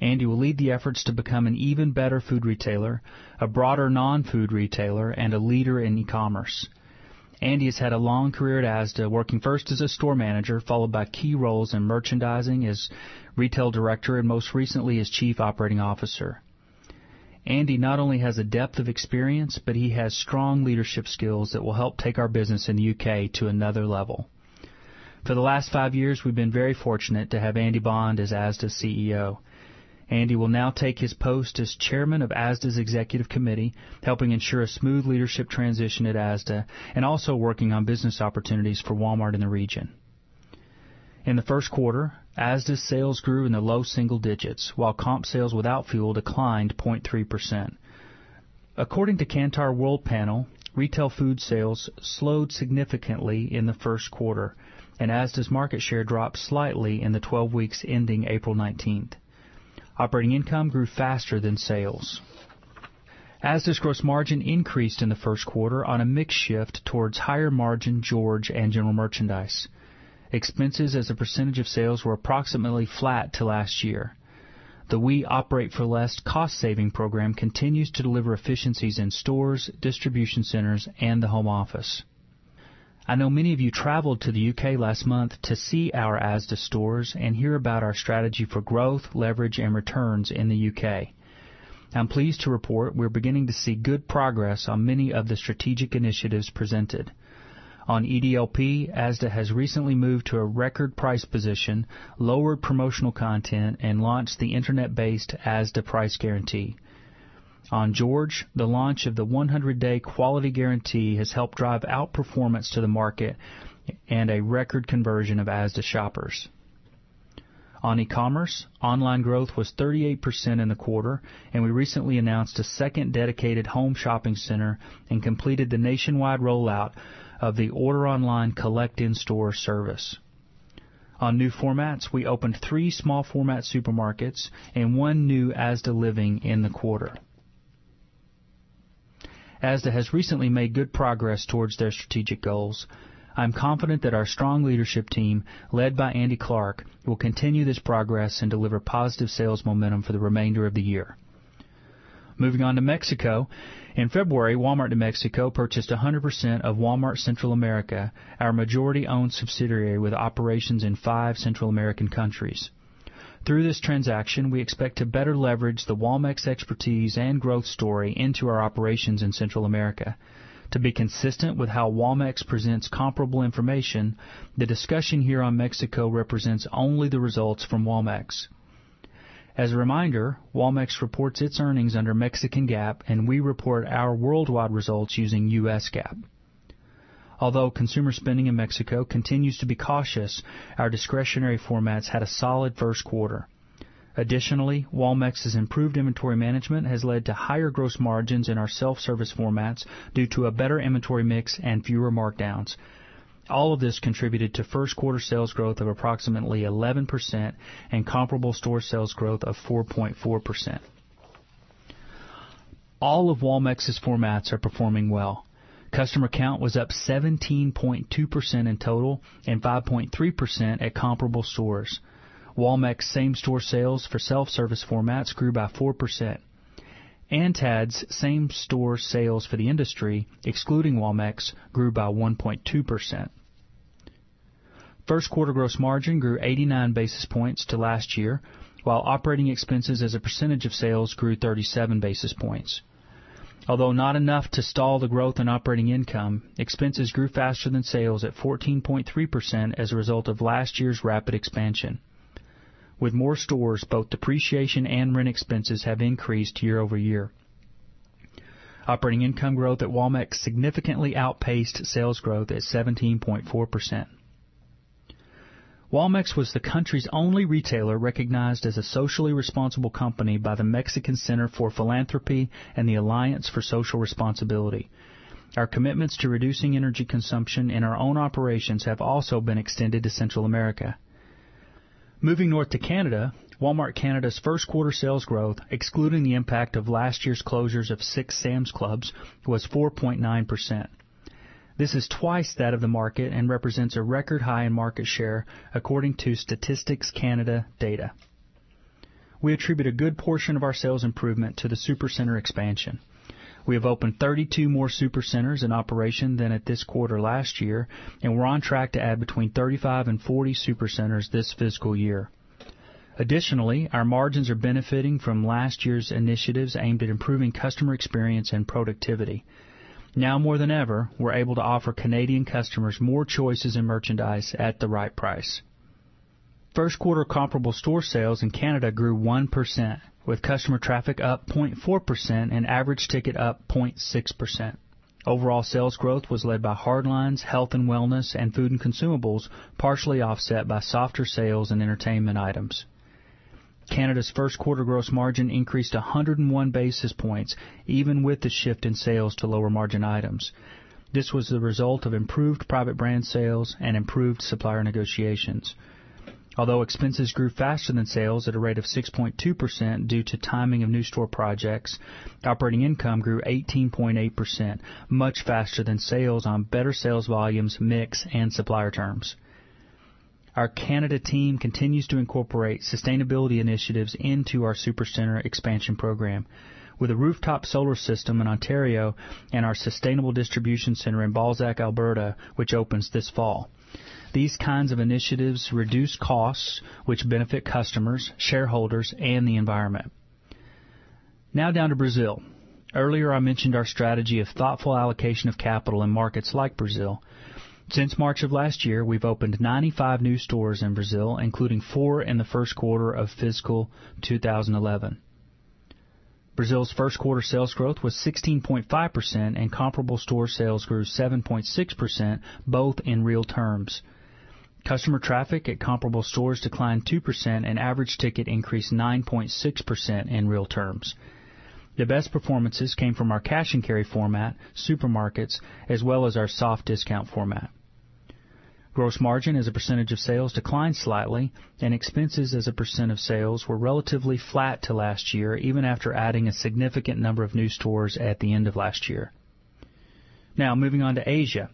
Andy will lead the efforts to become an even better food retailer, a broader non food retailer and a leader in e commerce. Andy has had a long career at ASDA, working first as a store manager followed by key roles in merchandising as retail director and most recently as chief operating officer. Andy not only has a depth of experience, but he has strong leadership skills that will help take our business in the UK to another level. For the last 5 years, we've been very fortunate to have Andy Bond as Asda's CEO. Andy will now take his post as Chairman of Asda's Executive Committee, helping ensure a smooth leadership transition at Asda and also working on business opportunities for Walmart in the region. In the Q1, Asda's sales grew in the low single digits, while comp sales without fuel declined 0.3%. According to Kantar World Panel, retail food sales slowed significantly in the Q1 and as does market share drop slightly in the 12 weeks ending April 19th. Operating income grew faster than sales. As this gross margin increased in the Q1 on a mix shift towards higher margin George and general merchandise, Expenses as a percentage of sales were approximately flat to last year. The We Operate for Less cost saving program continues to deliver efficiencies in stores, Distribution centers and the home office. I know many of you traveled to the UK last month to see our ASDA stores and hear about our Strategy for growth, leverage and returns in the U. K. I'm pleased to report we're beginning to see good progress on many of the strategic initiatives presented. On EDLP, ASDA has recently moved to a record price position, lower promotional content and launched the internet based ASDA price guarantee. On George, the launch of the 100 day quality guarantee has helped drive out performance to the market and a record conversion of Asda shoppers. On e commerce, online growth was 38% in the quarter, and we recently announced a second dedicated home shopping center and completed the nationwide rollout of the order online collect in store service. On new formats, we opened 3 small format supermarkets And one new ASDA living in the quarter. ASDA has recently made good progress towards their strategic goals. I'm confident that our strong leadership team led by Andy Clark will continue this progress and deliver positive sales momentum for the remainder of the year. Moving on to Mexico, in February, Walmart New Mexico purchased 100% of Walmart Central America, our majority owned subsidiary with Operations in 5 Central American countries. Through this transaction, we expect to better leverage the To be consistent with how WAMEX presents comparable information, the discussion here on Mexico represents only the results from WAMEX. As a reminder, Walmex reports its earnings under Mexican GAAP and we report our worldwide results using U. S. GAAP. Although consumer spending in Mexico continues to be cautious, our discretionary formats had a solid first quarter. Additionally, Wall MX's improved inventory management has led to higher gross margins in our self-service formats due to a better inventory mix and fewer markdowns. All of this contributed to 1st quarter sales growth of approximately 11% and comparable store sales growth of 4.4%. All of Walmex's formats are performing well. Customer count was up 17.2% in total and 5.3% at comparable stores. Walmex same store sales for self-service formats grew by 4%. Antad's same store sales for the industry, excluding Walmex grew by 1.2%. 1st quarter gross margin grew 89 basis points to last year, while operating expenses as a percentage of sales grew 37 basis points. Although not enough to stall the growth in operating income, expenses grew faster than sales at 14.3% as a result of last year's rapid expansion. With more stores both depreciation and rent expenses have increased year over year. Operating income growth at Womack Significantly outpaced sales growth at 17.4%. Walmex was the country's only retailer recognized as a Socially responsible company by the Mexican Center For Philanthropy and the Alliance For Social Responsibility. Our commitments to reducing energy consumption And our own operations have also been extended to Central America. Moving north to Canada, Walmart Canada's first quarter Sales growth excluding the impact of last year's closures of 6 Sam's Clubs was 4.9%. This is twice that of the market and represents a record high in market According to Statistics Canada data, we attribute a good portion of our sales improvement to the supercenter expansion. We have opened 32 more supercenters in operation than at this quarter last year, and we're on track to add between 3540 supercenters this fiscal year. Additionally, our margins are benefiting from last year's initiatives aimed at improving customer experience and productivity. Now more than ever, we're able to offer Canadian customers more choices in merchandise at the right price. 1st quarter comparable store Sales in Canada grew 1% with customer traffic up 0.4% and average ticket up 0.6%. Overall sales growth was led by hardlines, health and wellness and food and consumables, partially offset by softer sales and entertainment items. Canada's Q1 gross margin increased 101 basis points even with the shift in sales to lower margin items. This was the result of improved private brand Sales and improved supplier negotiations. Although expenses grew faster than sales at a rate of 6.2% due to timing of new store projects, Operating income grew 18.8%, much faster than sales on better sales volumes, mix and supplier terms. Our Canada team continues to incorporate sustainability initiatives into our supercenter expansion program with a rooftop solar System in Ontario and our sustainable distribution center in Balzac, Alberta, which opens this fall. These kinds of initiatives reduce costs, which benefit customers, shareholders and the environment. Now down to Brazil. Earlier, I mentioned our strategy of thoughtful allocation of capital in markets like Brazil. Since March of last year, we've opened 95 new stores in Brazil, including 4 in the Q1 of fiscal 2011. Brazil's 1st quarter sales growth was 16.5% and comparable store sales grew 7.6%, both in real terms. Customer traffic at comparable stores declined 2% and average ticket increased 9.6% in real terms. The best performances came from our cash and carry format, supermarkets as well as our soft discount format. Gross margin as a percentage of sales declined slightly and expenses as a percent of sales were relatively flat to last year even after adding a significant number of new stores at the end of last year. Now moving on to Asia.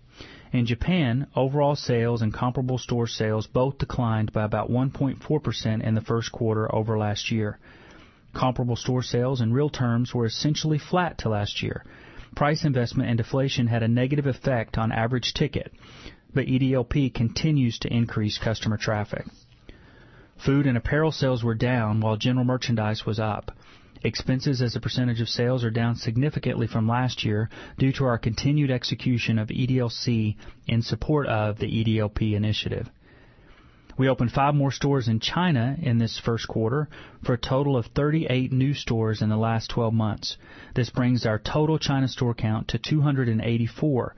In Japan, overall sales and comparable store sales both by about 1.4% in the Q1 over last year. Comparable store sales in real terms were essentially flat to last year. Price investment and deflation had a negative effect on average ticket, but EDLP continues to increase customer traffic. Food and apparel sales were down, while general merchandise was up. Expenses as a percentage of sales are down significantly from last year due to our continued execution of EDLC In support of the EDLP initiative. We opened 5 more stores in China in this Q1 For a total of 38 new stores in the last 12 months. This brings our total China store count to 284.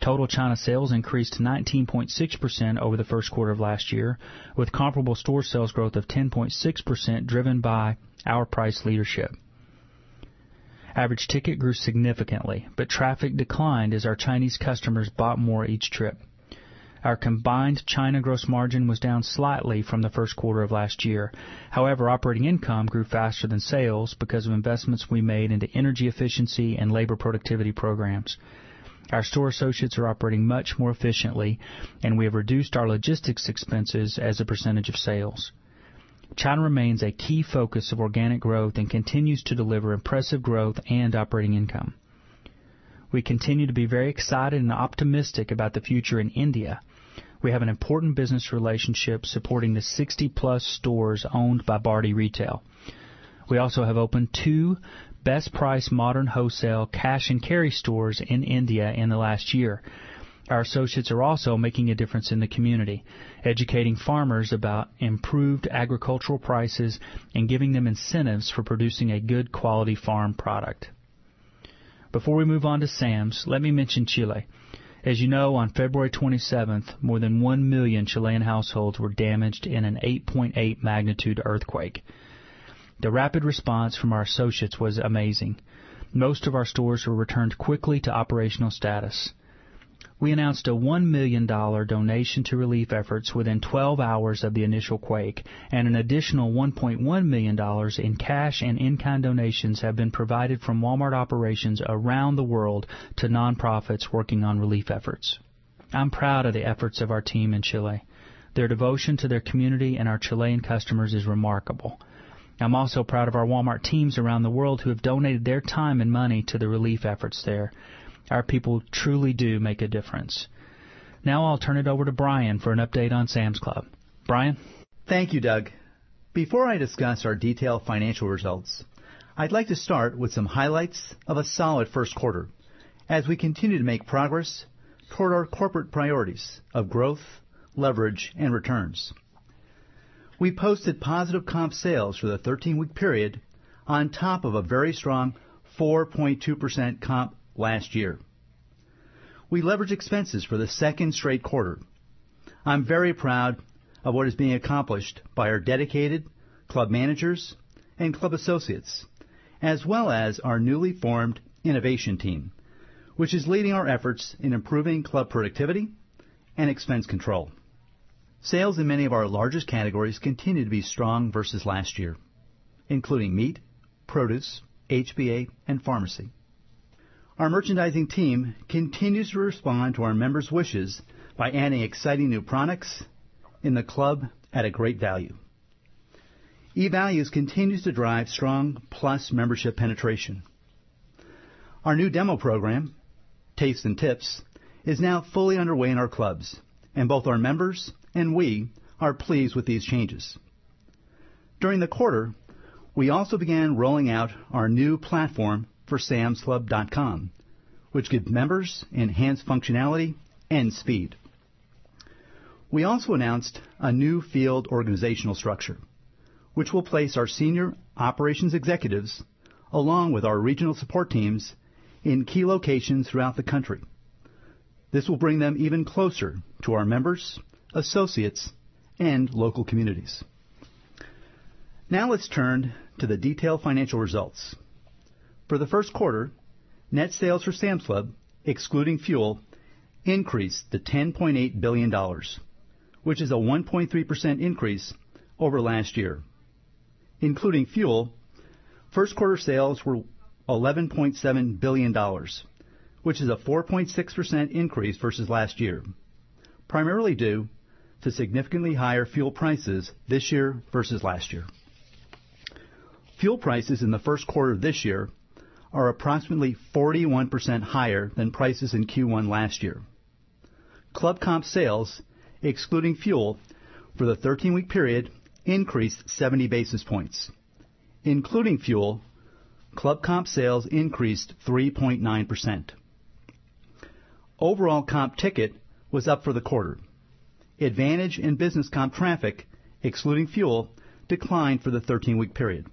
Total China sales increased 19.6% over the Q1 of last year, with comparable store sales growth of 10.6% driven by Our price leadership. Average ticket grew significantly, but traffic declined as our Chinese customers bought more each trip. Our combined China gross margin was down slightly from the Q1 of last year. However, operating income grew faster than sales Because of investments we made into energy efficiency and labor productivity programs, our store associates are operating much more efficiently and we have reduced our logistics expenses as a percentage of sales. China remains a key focus of organic growth and continues to deliver impressive growth and operating income. We continue to be very excited and optimistic about the future in India. We have an important business relationship supporting the 60 plus Stores owned by Bardi Retail. We also have opened 2 best price modern wholesale cash and carry stores in India in the last year. Our associates are also making a difference in the community, educating farmers about improved agricultural prices and giving them incentives for producing a good quality Farm product. Before we move on to Sam's, let me mention Chile. As you know, on February 27, more than 1,000,000 Chilean households were damaged In an 8.8 magnitude earthquake. The rapid response from our associates was amazing. Most of our stores were returned quickly to operational status. We announced a $1,000,000 donation to relief efforts within 12 hours of the initial quake and an additional 1,100,000 Dollars in cash and in kind donations have been provided from Walmart operations around the world to non profits working on relief efforts. I'm proud of the efforts of our team in Chile. Their devotion to their community and our Chilean customers is remarkable. I'm Also proud of our Walmart teams around the world who have donated their time and money to the relief efforts there. Our people truly do make a difference. Now I'll turn it over to Brian for an update on Sam's Club. Brian? Thank you, Doug. Before I discuss our detailed financial results, I'd like to start with some highlights of a solid Q1 as we continue to make progress toward our corporate priorities of growth, leverage And returns. We posted positive comp sales for the 13 week period on top of a very strong 4.2% comp last year. We leverage expenses for the 2nd straight quarter. I'm very proud What is being accomplished by our dedicated club managers and club associates as well as our newly formed Innovation team, which is leading our efforts in improving club productivity and expense control. Sales in many of our largest categories Continue to be strong versus last year, including meat, produce, HBA and pharmacy. Our merchandising team continues to respond to our members wishes by adding exciting new products in the club at a great value. E values continues to drive strong plus membership penetration. Our new demo program, Tastes and tips is now fully underway in our clubs and both our members and we are pleased with these changes. During the quarter, we also began rolling out our new platform for samslub.com, which gives members Enhance functionality and speed. We also announced a new field organizational structure, Which will place our senior operations executives along with our regional support teams in key locations throughout the country. This will bring them even closer to our members, associates and local communities. Now let's Turned to the detailed financial results. For the Q1, net sales for Sam's Club excluding fuel increased to 10,800,000,000 dollars which is a 1.3% increase over last year. Including fuel, 1st quarter sales were 11 point $7,000,000,000 which is a 4.6% increase versus last year, primarily due to significantly higher fuel prices this year Versus last year. Fuel prices in the Q1 of this year are approximately 41% higher than prices in Q1 last year. Club comp sales excluding fuel for the 13 week period increased 70 basis points. Including fuel, club comp sales increased 3.9%. Overall comp ticket was up for the quarter. Advantage and business comp traffic excluding fuel declined for the 13 week period.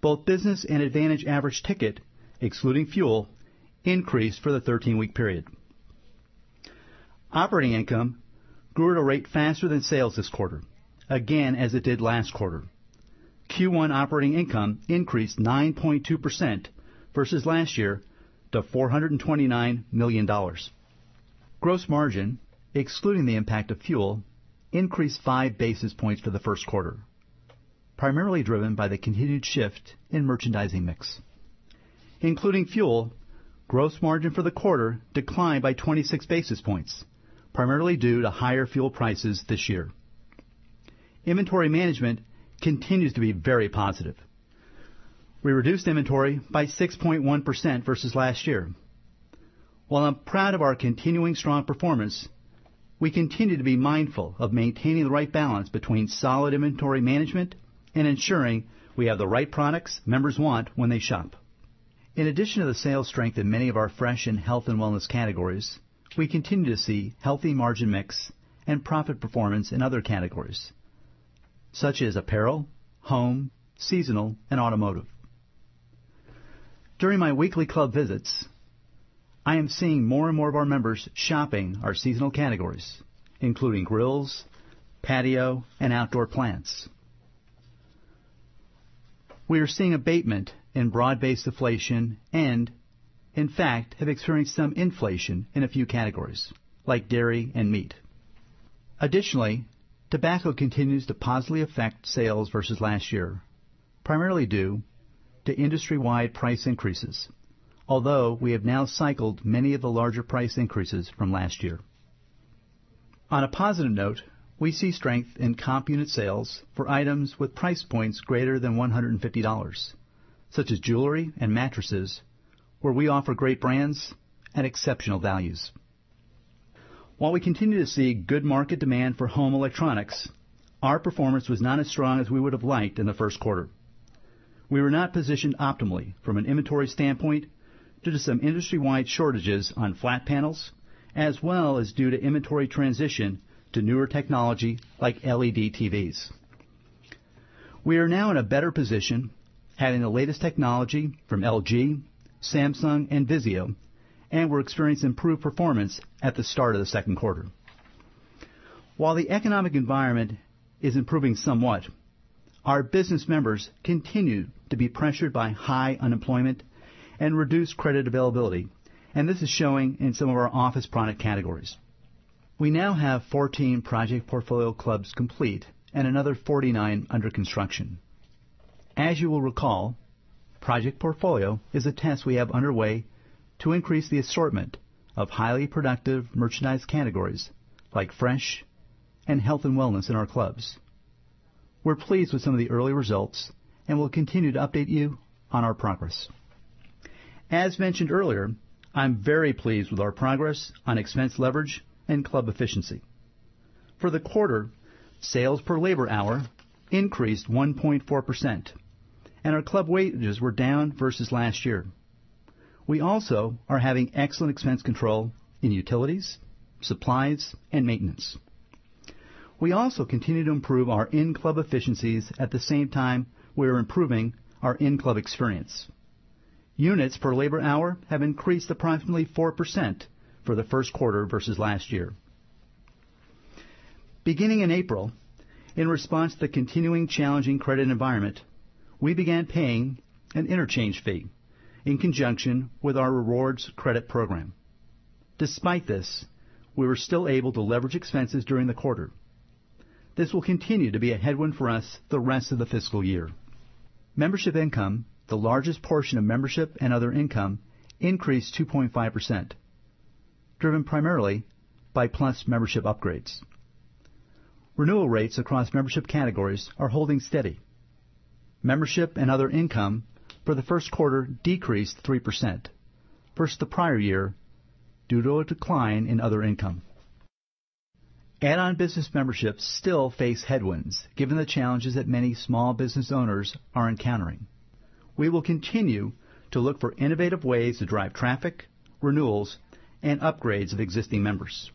Both business and advantage average ticket Excluding fuel, increased for the 13 week period. Operating income grew at a rate faster than sales this quarter, Again as it did last quarter. Q1 operating income increased 9.2% versus last year to $429,000,000 Gross margin excluding the impact of fuel increased 5 basis points for the 1st quarter, primarily driven by the continued shift in merchandising mix. Including fuel, gross margin for the quarter declined by 26 basis points, Primarily due to higher fuel prices this year. Inventory management continues to be very positive. We reduced inventory by 6.1% versus last year. While I'm proud of our continuing strong performance, We continue to be mindful of maintaining the right balance between solid inventory management and ensuring we have the right products members want when they shop. In addition to the sales strength in many of our fresh and health and wellness categories, we continue to see healthy margin mix and profit performance in other categories, Such as apparel, home, seasonal and automotive. During my weekly club visits, I am seeing more and more of our members shopping our seasonal categories including grills, patio and outdoor plants. We are seeing abatement in broad based deflation and in fact have experienced some inflation in a few categories Like dairy and meat. Additionally, tobacco continues to positively affect sales versus last year, Primarily due to industry wide price increases, although we have now cycled many of the larger price increases from last year. On a positive note, we see strength in comp unit sales for items with price points greater than $150 such as jewelry and mattresses, Where we offer great brands and exceptional values. While we continue to see good market demand for home electronics, Our performance was not as strong as we would have liked in the Q1. We were not positioned optimally from an inventory standpoint due to Some industry wide shortages on flat panels as well as due to inventory transition to newer technology like LED TVs. We are now in a better position, adding the latest technology from LG, Samsung and VIZIO And we're experiencing improved performance at the start of the Q2. While the economic environment is improving somewhat, Our business members continue to be pressured by high unemployment and reduced credit availability and this is showing in some of our office product categories. We now have 14 project portfolio clubs complete and another 49 under construction. As you will recall, Project Portfolio is a test we have underway to increase the assortment of highly productive merchandise categories like fresh And health and wellness in our clubs. We're pleased with some of the early results and we'll continue to update you on our progress. As mentioned earlier, I'm very pleased with our progress on expense leverage and club efficiency. For the quarter, sales per labor hour increased 1.4% And our club weightages were down versus last year. We also are having excellent expense control in utilities, supplies And maintenance. We also continue to improve our in club efficiencies at the same time we're improving our in club experience. Units per labor hour have increased approximately 4% for the Q1 versus last year. Beginning in April, In response to the continuing challenging credit environment, we began paying an interchange fee in conjunction with our rewards credit program. Despite this, we were still able to leverage expenses during the quarter. This will continue to be a headwind for us The next fiscal year. Membership income, the largest portion of membership and other income increased 2.5%, driven primarily Buy plus membership upgrades. Renewal rates across membership categories are holding steady. Membership and other income for the first Quarter decreased 3% versus the prior year due to a decline in other income. Add on business memberships still face headwinds given the challenges that many small business owners are encountering. We will continue To look for innovative ways to drive traffic, renewals and upgrades of existing members.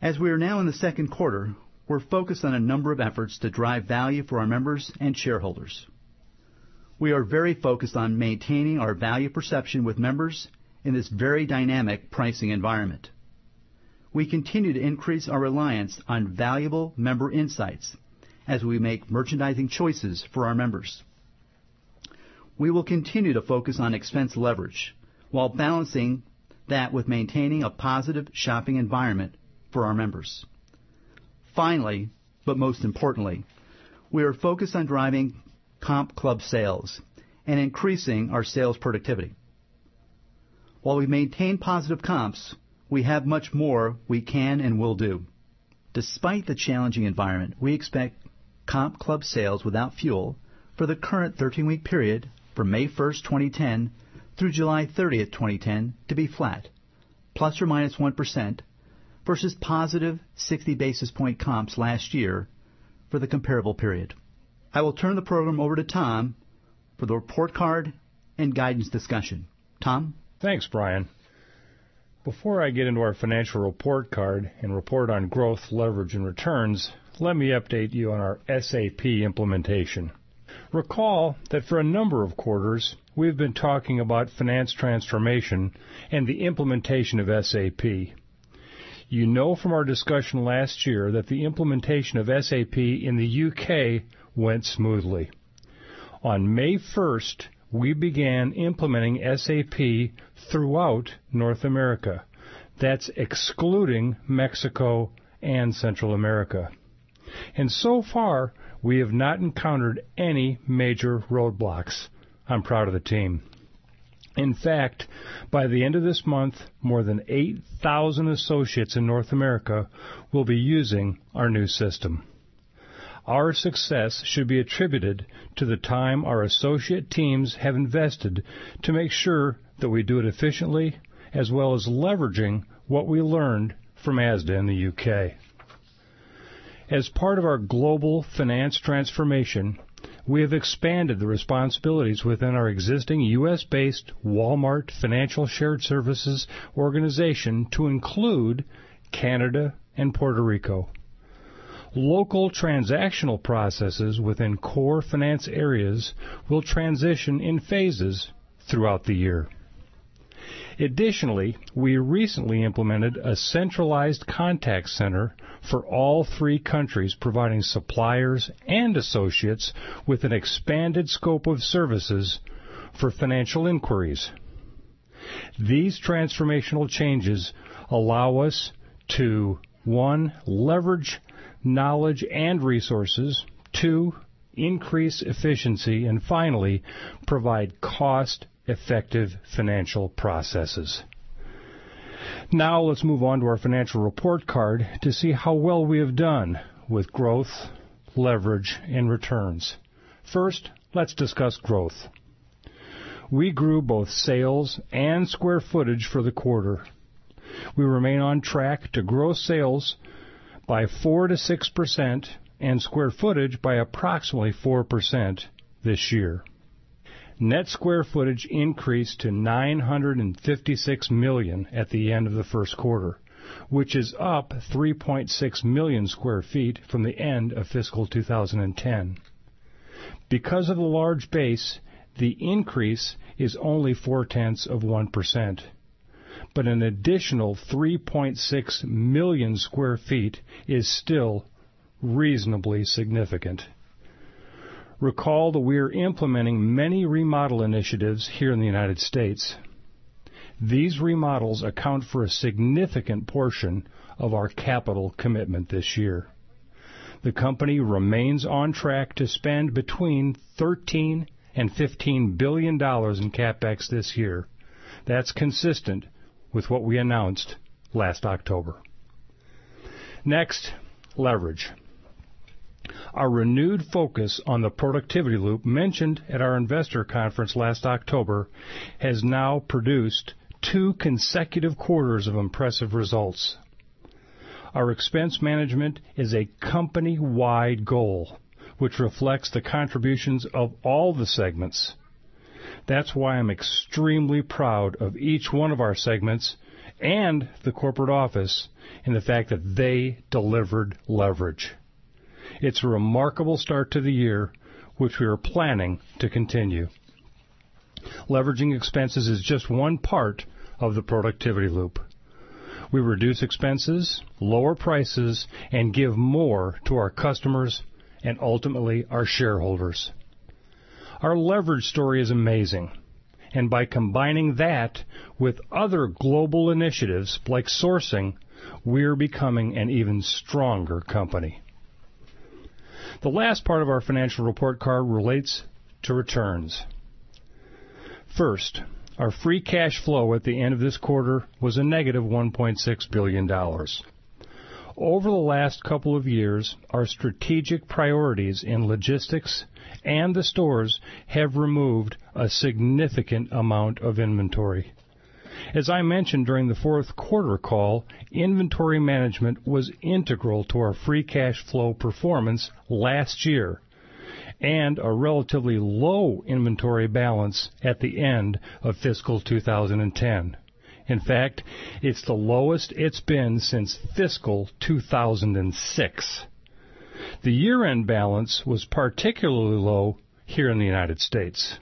As we are now in the second quarter, we're focused on a number of efforts to drive value for our members and shareholders. We are very focused on maintaining our value perception with members In this very dynamic pricing environment, we continue to increase our reliance on valuable member insights As we make merchandising choices for our members, we will continue to focus on expense leverage, while balancing That was maintaining a positive shopping environment for our members. Finally, but most importantly, We are focused on driving comp club sales and increasing our sales productivity. While we maintain positive comps, We have much more we can and will do. Despite the challenging environment, we expect comp club sales without fuel for the current 13 week period From May 1, 2010 through July 30, 2010 to be flat, plus or minus 1% versus positive 60 basis point comps last year for the comparable period. I will turn the program over to Tom for the report card and guidance discussion. Tom? Thanks, Brian. Before I get into our financial report card and report on growth, leverage and returns, let me Update you on our SAP implementation. Recall that for a number of quarters, we've been talking about finance Transformation and the implementation of SAP. You know from our discussion last year that the implementation of SAP in the U. K. Went smoothly. On May 1st, we began implementing SAP throughout North America. That's excluding Mexico and Central America. And so far, we have not encountered any major road Blocks, I'm proud of the team. In fact, by the end of this month, more than 8,000 associates in North America will be using Our new system. Our success should be attributed to the time our associate teams have invested to make sure that we do it efficiently As well as leveraging what we learned from ASDA in the UK. As part of our global finance Transformation. We have expanded the responsibilities within our existing U. S.-based Walmart Financial Shared Services Organization to include Canada and Puerto Rico. Local transactional processes within core finance areas will transition in phases throughout the year. Additionally, we recently implemented a centralized contact center for all three countries Providing suppliers and associates with an expanded scope of services for financial inquiries. These transformational changes allow us to 1, leverage knowledge and resources 2, Increase efficiency and finally provide cost effective financial processes. Now let's move on to our financial report card to see how well we have done with growth, leverage and returns. 1st, let's discuss growth. We grew both sales and square footage for the quarter. We remain on Track to gross sales by 4% to 6% and square footage by approximately 4% this year. Net square footage increased to 956,000,000 at the end of the Q1, which is up 3,600,000 Square feet from the end of fiscal 2010. Because of the large base, the increase is only 4 tenths of 1%, But an additional 3,600,000 square feet is still reasonably significant. Recall that we are Implementing many remodel initiatives here in the United States, these remodels account for a significant portion of our capital Commitment this year. The company remains on track to spend between $13,000,000,000 $15,000,000,000 Our renewed focus on the productivity loop mentioned at our investor conference last October has now produced 2 quarters of impressive results. Our expense management is a company wide goal, Which reflects the contributions of all the segments. That's why I'm extremely proud of each one of our segments and the corporate office and the fact that they delivered leverage. It's a remarkable start to the year, Which we are planning to continue. Leveraging expenses is just one part of the productivity loop. We Lower prices and give more to our customers and ultimately our shareholders. Our leverage story is amazing and by combining that with other global initiatives like sourcing, we're becoming an even Stronger company. The last part of our financial report card relates to returns. First, our free cash flow at the end of this quarter was a negative $1,600,000,000 Over the last couple of years, our Strategic priorities in logistics and the stores have removed a significant amount of inventory. As I mentioned during the Q4 call, inventory management was integral to our free cash flow performance last year And a relatively low inventory balance at the end of fiscal 2010. In fact, It's the lowest it's been since fiscal 2,006. The year end balance was particularly low here in the United States.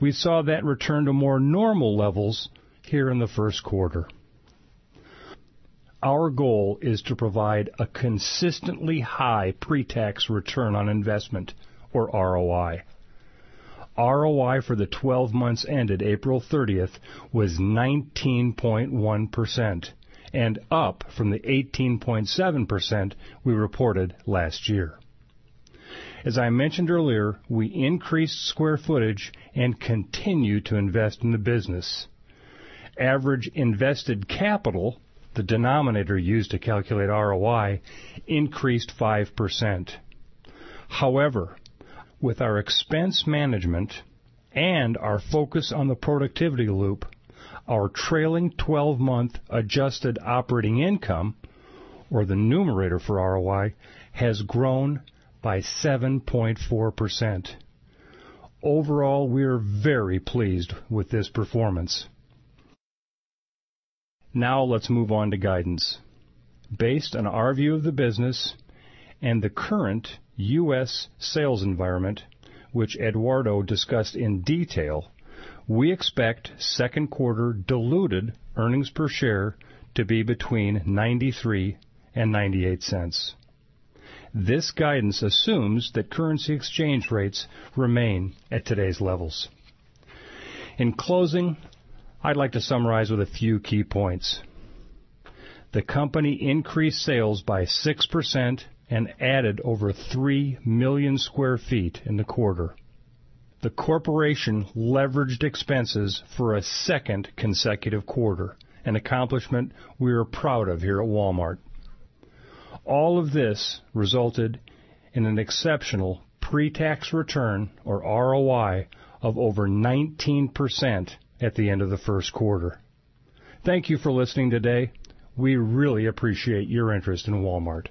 We saw that return to more normal levels here in the Q1. Our goal is to provide high pretax return on investment or ROI. ROI for the 12 months ended April 30th Was 19.1 percent and up from the 18.7% we reported last year. As I mentioned earlier, we increased square footage and continue to invest in the business. Average The capital, the denominator used to calculate ROI, increased 5%. However, with our expense management and our focus on the productivity loop, our trailing 12 month adjusted operating income or the numerator for ROI has grown by 7.4%. Overall, we're very Very pleased with this performance. Now let's move on to guidance. Based on our view of the business And the current U. S. Sales environment, which Eduardo discussed in detail, we expect 2nd quarter diluted earnings per share to be between $0.93 $0.98 This guidance assumes that currency exchange rates remain at today's levels. In closing, I'd like to summarize with a few key points. The company increased sales by 6% and Added over 3,000,000 square feet in the quarter. The corporation leveraged expenses for a 2nd consecutive quarter, An accomplishment we are proud of here at Walmart. All of this resulted in an exceptional Pre tax return or ROI of over 19% at the end of the Q1. Thank you for listening today. We really appreciate your interest in Walmart.